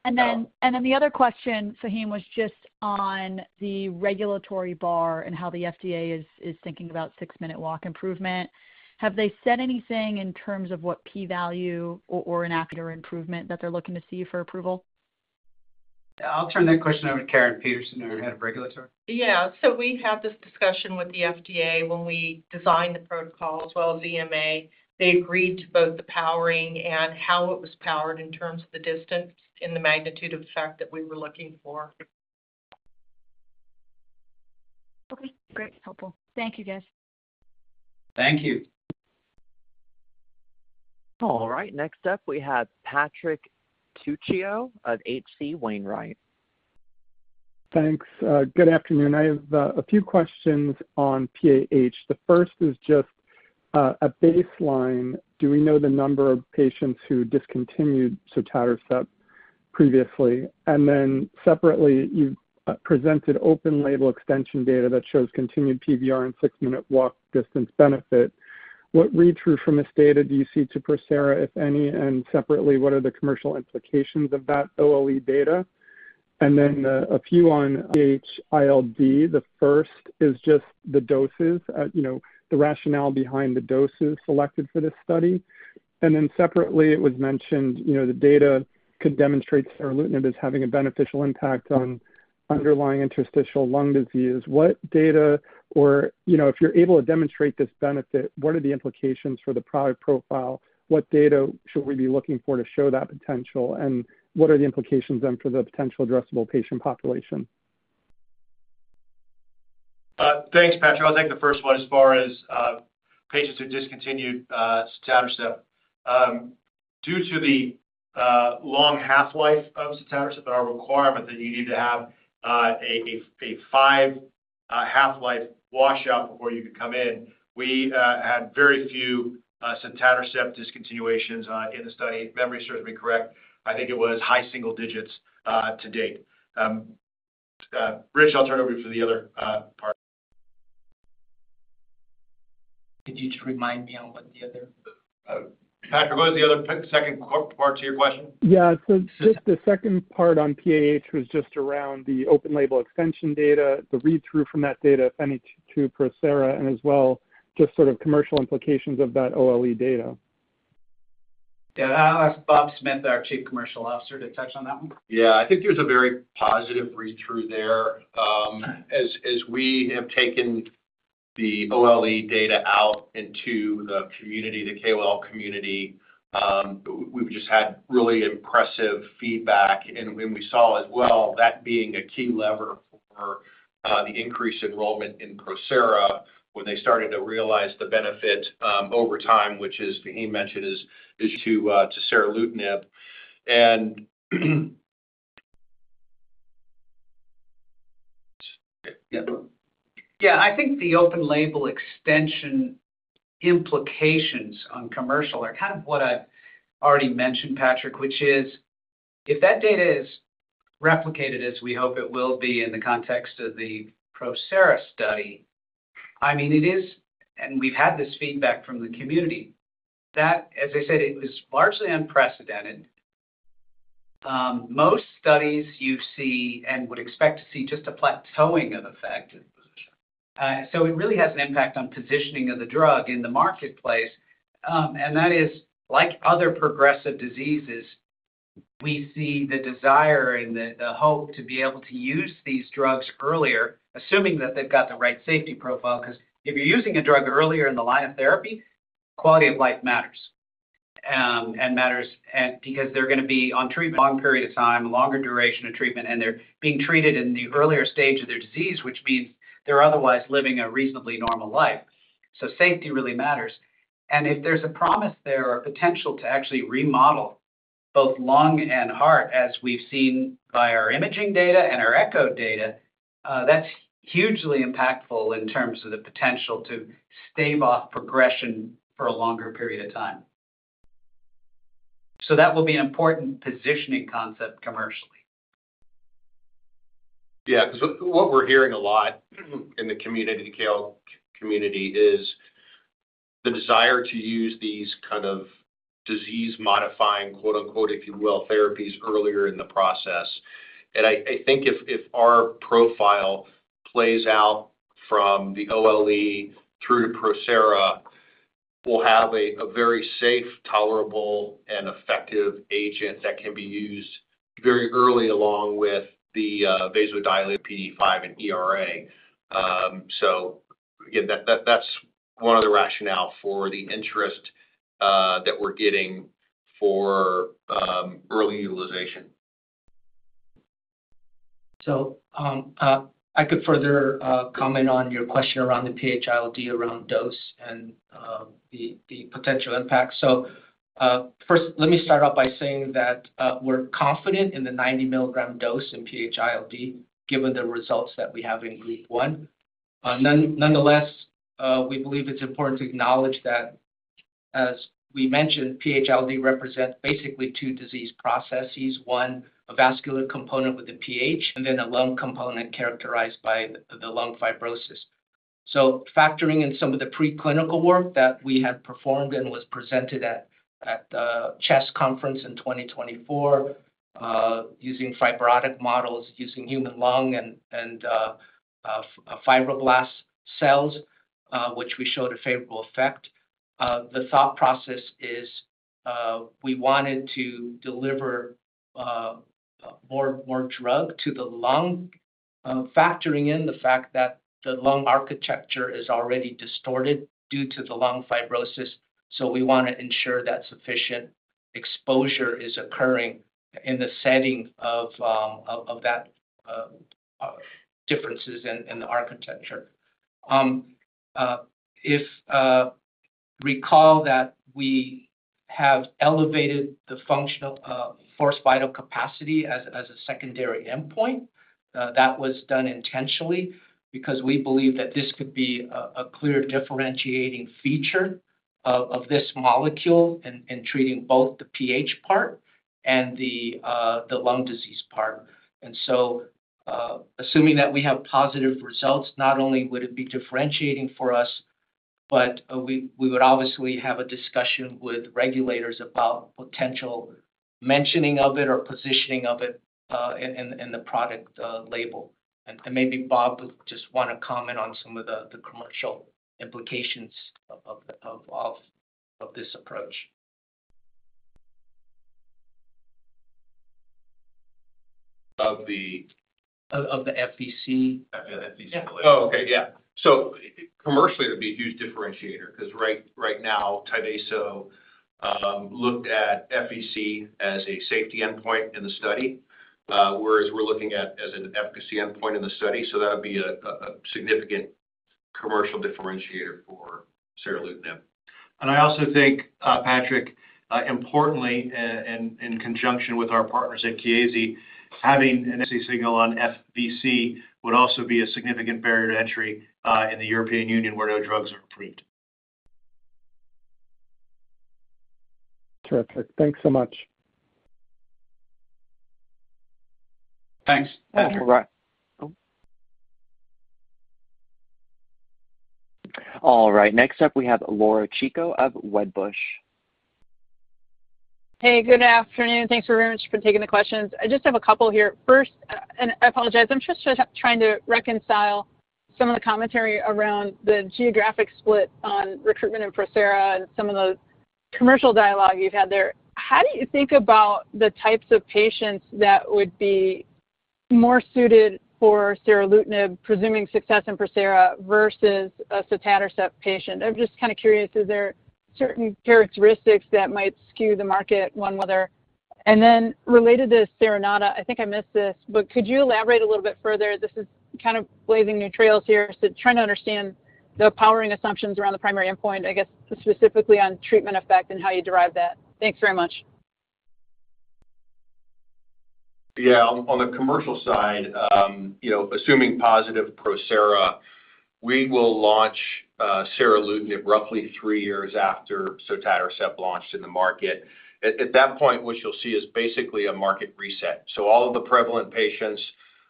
The other question, Faheem, was just on the regulatory bar and how the FDA is thinking about six-minute walk improvement. Have they said anything in terms of what P-value or an improvement that they're looking to see for approval? I'll turn that question over to Caryn Peterson, our head of regulatory. Yeah. We had this discussion with the FDA when we designed the protocol as well as EMA. They agreed to both the powering and how it was powered in terms of the distance and the magnitude of effect that we were looking for. Okay. Great. Helpful. Thank you, guys. Thank you. All right. Next up, we have Patrick Tuccio of HC Wainwright. Thanks. Good afternoon. I have a few questions on PAH. The first is just a baseline. Do we know the number of patients who discontinued Sotatercept previously? Then separately, you presented open-label extension data that shows continued PVR and six-minute walk distance benefit. What read-through from this data do you see to PROSERA, if any? What are the commercial implications of that OLE data? I have a few on PH-ILD. The first is just the doses, the rationale behind the doses selected for this study. It was mentioned the data could demonstrate seralutinib is having a beneficial impact on underlying interstitial lung disease. What data, or if you're able to demonstrate this benefit, what are the implications for the product profile? What data should we be looking for to show that potential? What are the implications then for the potential addressable patient population? Thanks, Patrick. I'll take the first one as far as patients who discontinued Sotatercept. Due to the long half-life of Sotatercept, our requirement that you need to have a five-half-life washout before you can come in, we had very few Sotatercept discontinuations in the study. If memory serves me correct, I think it was high single digits to date. Rich, I'll turn it over to the other part. Could you just remind me on what the other? Patrick, what was the other second part to your question? Yeah. Just the second part on PAH was just around the open-label extension data, the read-through from that data, if any, to PROSERA, and as well just sort of commercial implications of that OLE data. Yeah. I'll ask Bob Smith, our Chief Commercial Officer, to touch on that one. Yeah. I think there's a very positive read-through there. As we have taken the OLE data out into the community, the KOL community, we've just had really impressive feedback. We saw as well that being a key lever for the increased enrollment in PROSERA when they started to realize the benefit over time, which is, as Faheem mentioned, is to seralutinib. Yeah. I think the open-label extension implications on commercial are kind of what I already mentioned, Patrick, which is if that data is replicated, as we hope it will be in the context of the PROSERA study, I mean, it is, and we've had this feedback from the community, that, as I said, it was largely unprecedented. Most studies you see and would expect to see just a plateauing of effect. It really has an impact on positioning of the drug in the marketplace. Like other progressive diseases, we see the desire and the hope to be able to use these drugs earlier, assuming that they've got the right safety profile. If you're using a drug earlier in the line of therapy, quality of life matters and matters because they're going to be on treatment a long period of time, a longer duration of treatment, and they're being treated in the earlier stage of their disease, which means they're otherwise living a reasonably normal life. Safety really matters. If there's a promise there or potential to actually remodel both lung and heart, as we've seen by our imaging data and our echo data, that's hugely impactful in terms of the potential to stave off progression for a longer period of time. That will be an important positioning concept commercially. Yeah. Because what we're hearing a lot in the community, the KOL community, is the desire to use these kind of disease-modifying, quote-unquote, if you will, therapies earlier in the process. I think if our profile plays out from the OLE through to PROSERA, we'll have a very safe, tolerable, and effective agent that can be used very early along with the vasodilator, PDE5, and ERA. Again, that's one of the rationales for the interest that we're getting for early utilization. I could further comment on your question around the PH-ILD, around dose and the potential impact. First, let me start out by saying that we're confident in the 90 mg dose in PH-ILD, given the results that we have in group one. Nonetheless, we believe it's important to acknowledge that, as we mentioned, PH-ILD represents basically two disease processes: one, a vascular component with the PH, and then a lung component characterized by the lung fibrosis. Factoring in some of the preclinical work that we had performed and was presented at the CHEST conference in 2024, using fibrotic models, using human lung and fibroblast cells, which we showed a favorable effect, the thought process is we wanted to deliver more drug to the lung, factoring in the fact that the lung architecture is already distorted due to the lung fibrosis. We want to ensure that sufficient exposure is occurring in the setting of that differences in the architecture. If you recall that we have elevated the forced vital capacity as a secondary endpoint, that was done intentionally because we believe that this could be a clear differentiating feature of this molecule in treating both the PH part and the lung disease part. Assuming that we have positive results, not only would it be differentiating for us, but we would obviously have a discussion with regulators about potential mentioning of it or positioning of it in the product label. Maybe Bob would just want to comment on some of the commercial implications of this approach. Of the? Of the FVC. FVC. Oh, okay. Yeah. Commercially, it would be a huge differentiator because right now, Tyvaso looked at FVC as a safety endpoint in the study, whereas we're looking at it as an efficacy endpoint in the study. That would be a significant commercial differentiator for seralutinib. I also think, Patrick, importantly, in conjunction with our partners at Chiesi, having an efficacy signal on FVC would also be a significant barrier to entry in the European Union where no drugs are approved. Terrific. Thanks so much. Thanks. All right. All right. Next up, we have Laura Chico of Wedbush. Hey. Good afternoon. Thanks very much for taking the questions. I just have a couple here. First, and I apologize, I'm just trying to reconcile some of the commentary around the geographic split on recruitment in PROSERA and some of the commercial dialogue you've had there. How do you think about the types of patients that would be more suited for seralutinib, presuming success in PROSERA, versus a Sotatercept patient? I'm just kind of curious. Is there certain characteristics that might skew the market one way or the other? Then related to Seronata, I think I missed this, but could you elaborate a little bit further? This is kind of blazing new trails here. Trying to understand the powering assumptions around the primary endpoint, I guess, specifically on treatment effect and how you derive that. Thanks very much. Yeah. On the commercial side, assuming positive PROSERA, we will launch seralutinib roughly three years after Sotatercept launched in the market. At that point, what you'll see is basically a market reset. All of the prevalent patients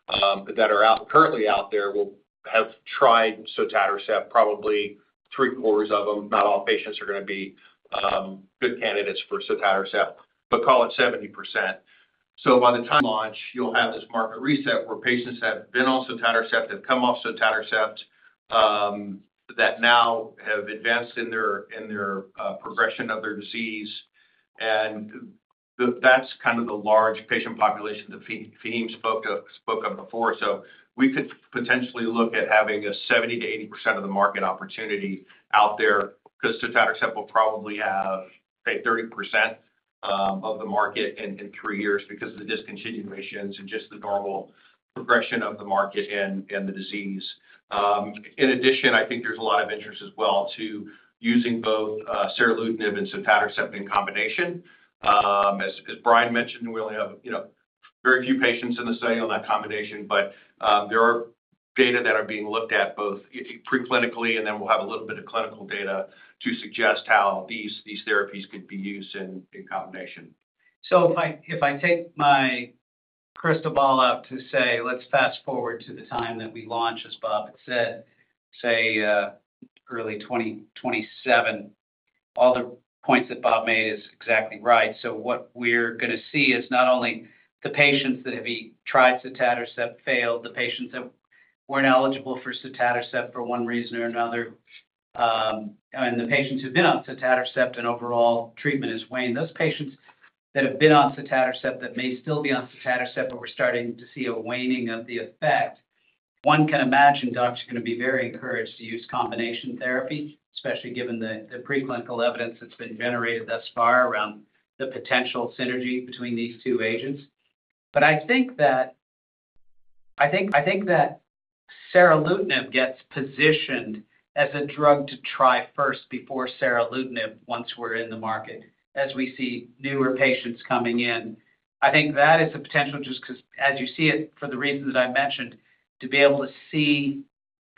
that are currently out there will have tried Sotatercept, probably three-quarters of them. Not all patients are going to be good candidates for Sotatercept, but call it 70%. By the time of launch, you'll have this market reset where patients that have been on Sotatercept, have come off Sotatercept, that now have advanced in their progression of their disease. That is kind of the large patient population that Faheem spoke of before. We could potentially look at having a 70%-80% of the market opportunity out there because Sotatercept will probably have, say, 30% of the market in three years because of the discontinuations and just the normal progression of the market and the disease. In addition, I think there's a lot of interest as well to using both seralutinib and Sotatercept in combination. As Bryan mentioned, we only have very few patients in the study on that combination, but there are data that are being looked at both preclinically, and then we'll have a little bit of clinical data to suggest how these therapies could be used in combination. If I take my crystal ball up to say, let's fast forward to the time that we launch, as Bob had said, say, early 2027, all the points that Bob made is exactly right. What we're going to see is not only the patients that have tried Sotatercept and failed, the patients that weren't eligible for Sotatercept for one reason or another, and the patients who've been on Sotatercept and overall treatment has waned, those patients that have been on Sotatercept that may still be on Sotatercept, but we're starting to see a waning of the effect, one can imagine doctors are going to be very encouraged to use combination therapy, especially given the preclinical evidence that's been generated thus far around the potential synergy between these two agents. I think that seralutinib gets positioned as a drug to try first before seralutinib once we're in the market, as we see newer patients coming in. I think that is a potential just because, as you see it for the reasons that I mentioned, to be able to see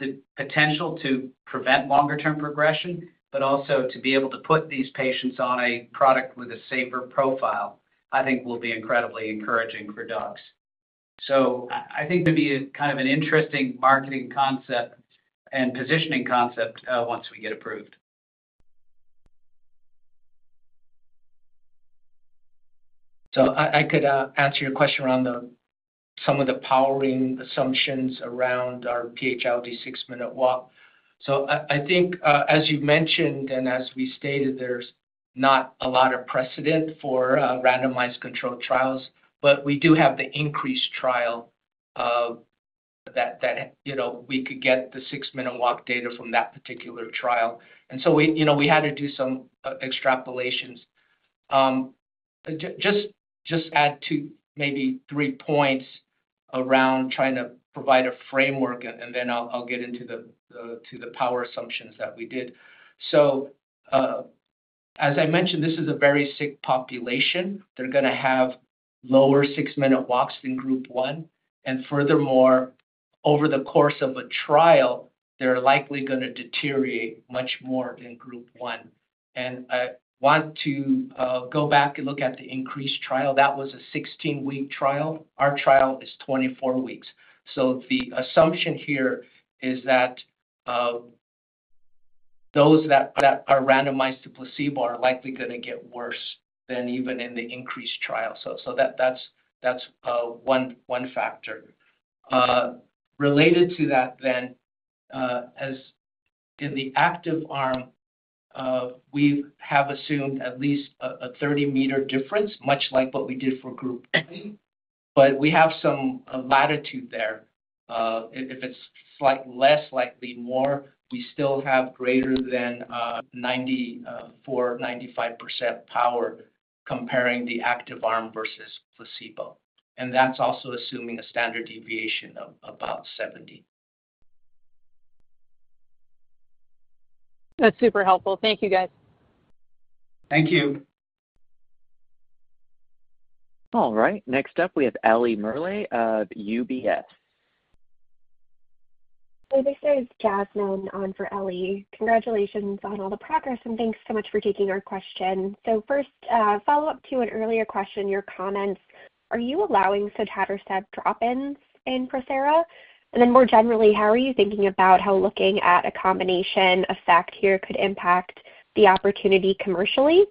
the potential to prevent longer-term progression, but also to be able to put these patients on a product with a safer profile, I think will be incredibly encouraging for docs. I think it's going to be kind of an interesting marketing concept and positioning concept once we get approved. I could answer your question around some of the powering assumptions around our PH-ILD six-minute walk. I think, as you mentioned and as we stated, there's not a lot of precedent for randomized controlled trials, but we do have the INCREASE trial that we could get the six-minute walk data from that particular trial. We had to do some extrapolations. Just add to maybe three points around trying to provide a framework, and then I'll get into the power assumptions that we did. As I mentioned, this is a very sick population. They're going to have lower six-minute walks than group one. Furthermore, over the course of a trial, they're likely going to deteriorate much more than group one. I want to go back and look at the INCREASE trial. That was a 16-week trial. Our trial is 24 weeks. The assumption here is that those that are randomized to placebo are likely going to get worse than even in the INCREASE trial. That is one factor. Related to that, then, as in the active arm, we have assumed at least a 30-meter difference, much like what we did for group one. We have some latitude there. If it is less, likely more, we still have greater than 94%-95% power comparing the active arm versus placebo. That is also assuming a standard deviation of about 70. That's super helpful. Thank you, guys. Thank you. All right. Next up, we have Ellie Merley of UBS. Hi. This is Jasmine on for Ellie. Congratulations on all the progress, and thanks so much for taking our question. First, follow-up to an earlier question, your comments. Are you allowing Sotatercept drop-ins in PROSERA? More generally, how are you thinking about how looking at a combination effect here could impact the opportunity commercially?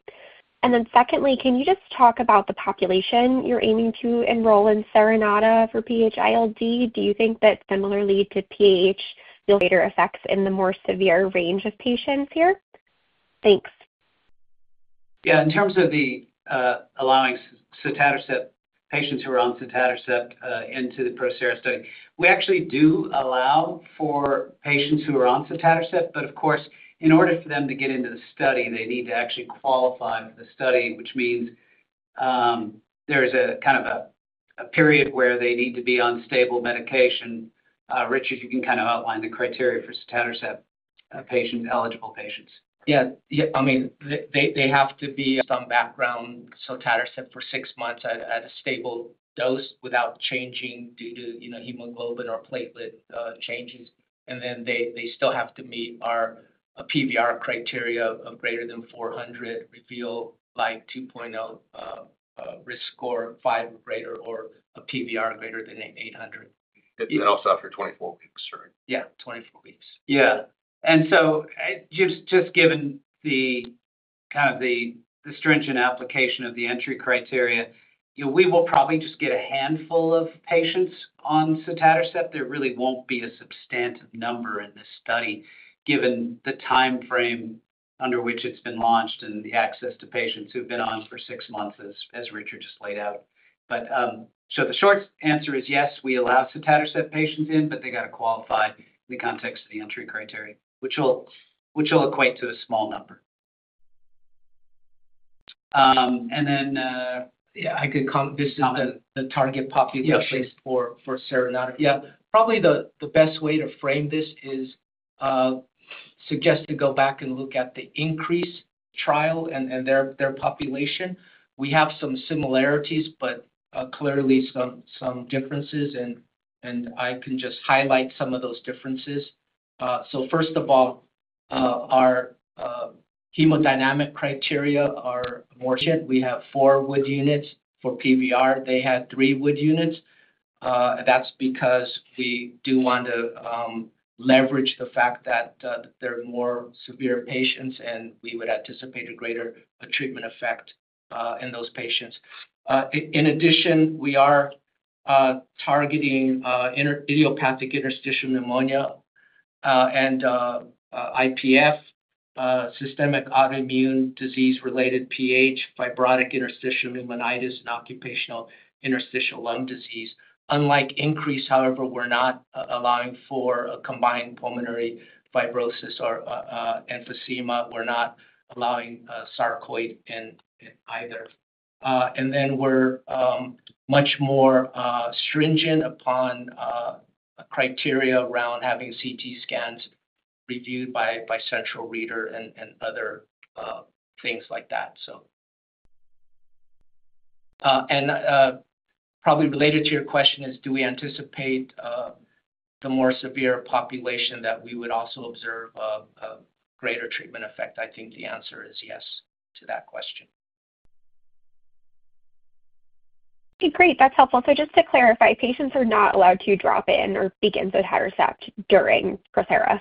Secondly, can you just talk about the population you're aiming to enroll in Seronata for PH-ILD? Do you think that similarly to PAH, you'll see greater effects in the more severe range of patients here? Thanks. Yeah. In terms of allowing patients who are on Sotatercept into the PROSERA study, we actually do allow for patients who are on Sotatercept, but of course, in order for them to get into the study, they need to actually qualify for the study, which means there is a kind of a period where they need to be on stable medication. Richard, you can kind of outline the criteria for Sotatercept eligible patients. Yeah. I mean, they have to be on some background Sotatercept for six months at a stable dose without changing due to hemoglobin or platelet changes. And then they still have to meet our PVR criteria of greater than 400, REVEAL 2.0 risk score, 5 or greater, or a PVR greater than 800. Also after 24 weeks, right? Yeah. Twenty-four weeks. Yeah. And just given kind of the stringent application of the entry criteria, we will probably just get a handful of patients on Sotatercept. There really will not be a substantive number in this study given the timeframe under which it has been launched and the access to patients who have been on for six months, as Richard just laid out. The short answer is yes, we allow Sotatercept patients in, but they have to qualify in the context of the entry criteria, which will equate to a small number. I could comment. This is the target population for Seronata. Probably the best way to frame this is to suggest to go back and look at the INCREASE trial and their population. We have some similarities, but clearly some differences, and I can just highlight some of those differences. First of all, our hemodynamic criteria are more efficient. We have four Wood units. For PVR, they had three Wood units. That is because we do want to leverage the fact that they are more severe patients, and we would anticipate a greater treatment effect in those patients. In addition, we are targeting idiopathic interstitial pneumonia and IPF, systemic autoimmune disease-related PH, fibrotic interstitial pneumonitis, and occupational interstitial lung disease. Unlike INCREASE, however, we are not allowing for a combined pulmonary fibrosis or emphysema. We are not allowing sarcoid in either. We are much more stringent upon criteria around having CT scans reviewed by a central reader and other things like that. Probably related to your question is, do we anticipate the more severe population that we would also observe a greater treatment effect? I think the answer is yes to that question. Okay. Great. That's helpful. Just to clarify, patients are not allowed to drop in or begin Sotatercept during PROSERA?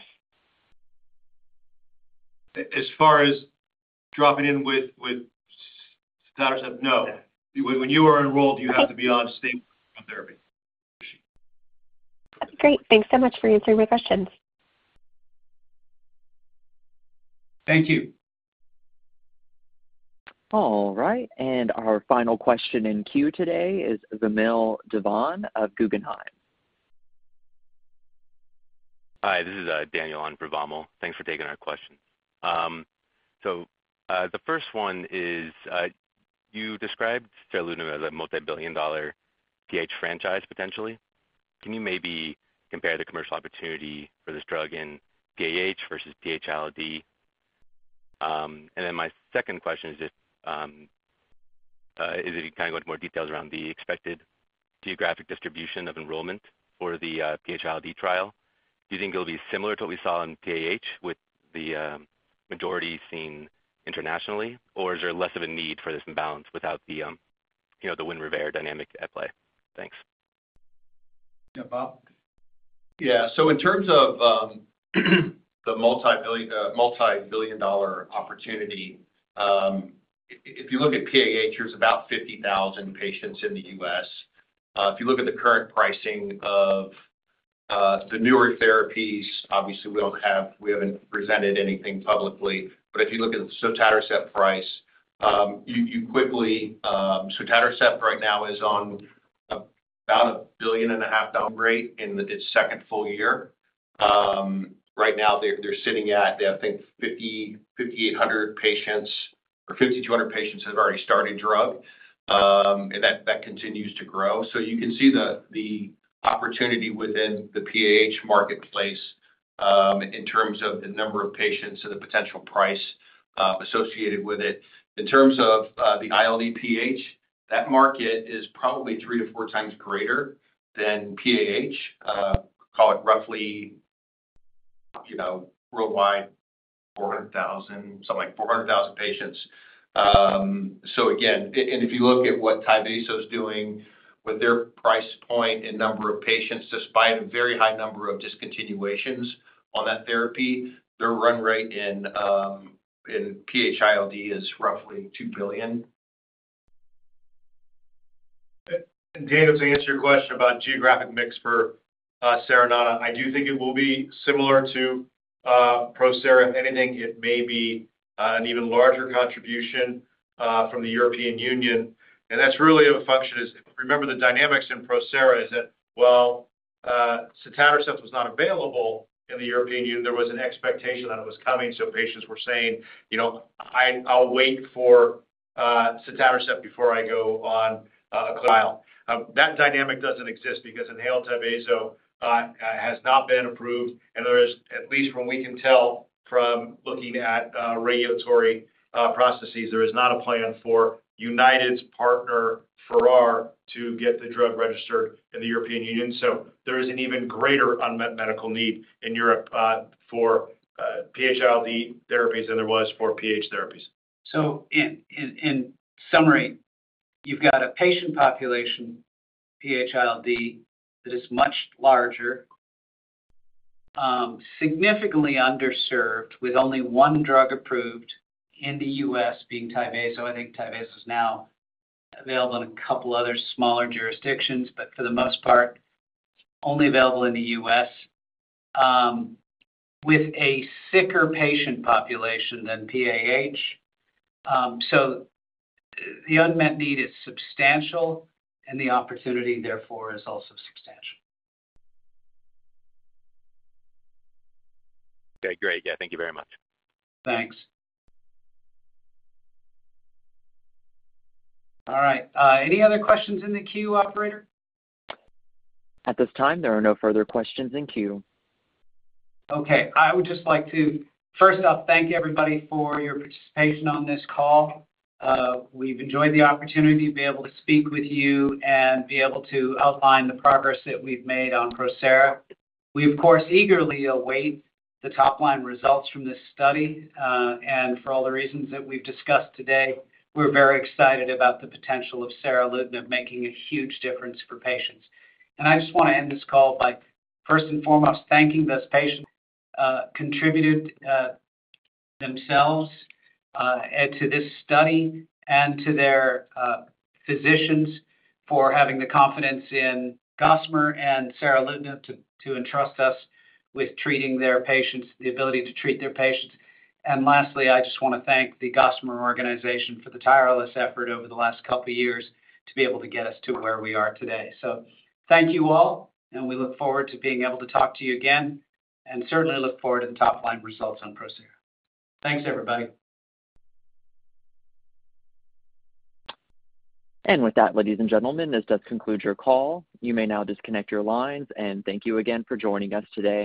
As far as dropping in with Sotatercept, no. When you are enrolled, you have to be on stable therapy. Great. Thanks so much for answering my questions. Thank you. All right. Our final question in queue today is Vamil Divan of Guggenheim. Hi. This is Daniel on Vamil. Thanks for taking our question. The first one is, you described seralutinib as a multibillion-dollar PAH franchise, potentially. Can you maybe compare the commercial opportunity for this drug in PAH versus PH-ILD? My second question is just, is it, kind of, going into more details around the expected geographic distribution of enrollment for the PH-ILD trial? Do you think it'll be similar to what we saw in PAH with the majority seen internationally, or is there less of a need for this imbalance without the Winrevair dynamic at play? Thanks. Yeah. Bob? Yeah. So in terms of the multibillion-dollar opportunity, if you look at PAH, there's about 50,000 patients in the U.S. If you look at the current pricing of the newer therapies, obviously, we don't have presented anything publicly. But if you look at the Sotatercept price, you quickly, Sotatercept right now is on about a $1.5 billion rate in its second full year. Right now, they're sitting at, I think, 5,800 patients or 5,200 patients have already started drug, and that continues to grow. You can see the opportunity within the PAH marketplace in terms of the number of patients and the potential price associated with it. In terms of the PH-ILD, that market is probably three to four times greater than PAH. Call it roughly worldwide 400,000, something like 400,000 patients. Again, if you look at what Tyvaso is doing with their price point and number of patients, despite a very high number of discontinuations on that therapy, their run rate in PH-ILD is roughly $2 billion. Daniel, to answer your question about geographic mix for Seronata, I do think it will be similar to PROSERA. If anything, it may be an even larger contribution from the European Union. That is really a function, as remember the dynamics in PROSERA is that, well, Sotatercept was not available in the European Union. There was an expectation that it was coming. Patients were saying, "I'll wait for Sotatercept before I go on a trial." That dynamic does not exist because inhaled Tyvaso has not been approved. At least from what we can tell from looking at regulatory processes, there is not a plan for United's partner, Ferrar, to get the drug registered in the European Union. There is an even greater unmet medical need in Europe for PH-ILD therapies than there was for PH therapies. In summary, you've got a patient population, PH-ILD, that is much larger, significantly underserved with only one drug approved in the U.S. being Tyvaso. I think Tyvaso is now available in a couple of other smaller jurisdictions, but for the most part, only available in the U.S. with a sicker patient population than PAH. The unmet need is substantial, and the opportunity, therefore, is also substantial. Okay. Great. Yeah. Thank you very much. Thanks. All right. Any other questions in the queue, operator? At this time, there are no further questions in queue. Okay. I would just like to, first off, thank everybody for your participation on this call. We've enjoyed the opportunity to be able to speak with you and be able to outline the progress that we've made on PROSERA. We, of course, eagerly await the top-line results from this study. For all the reasons that we've discussed today, we're very excited about the potential of seralutinib making a huge difference for patients. I just want to end this call by, first and foremost, thanking those patients who contributed themselves to this study and to their physicians for having the confidence in Gossamer and seralutinib to entrust us with treating their patients, the ability to treat their patients. Lastly, I just want to thank the Gossamer organization for the tireless effort over the last couple of years to be able to get us to where we are today. Thank you all, and we look forward to being able to talk to you again and certainly look forward to the top-line results on PROSERA. Thanks, everybody. With that, ladies and gentlemen, this does conclude your call. You may now disconnect your lines. Thank you again for joining us today.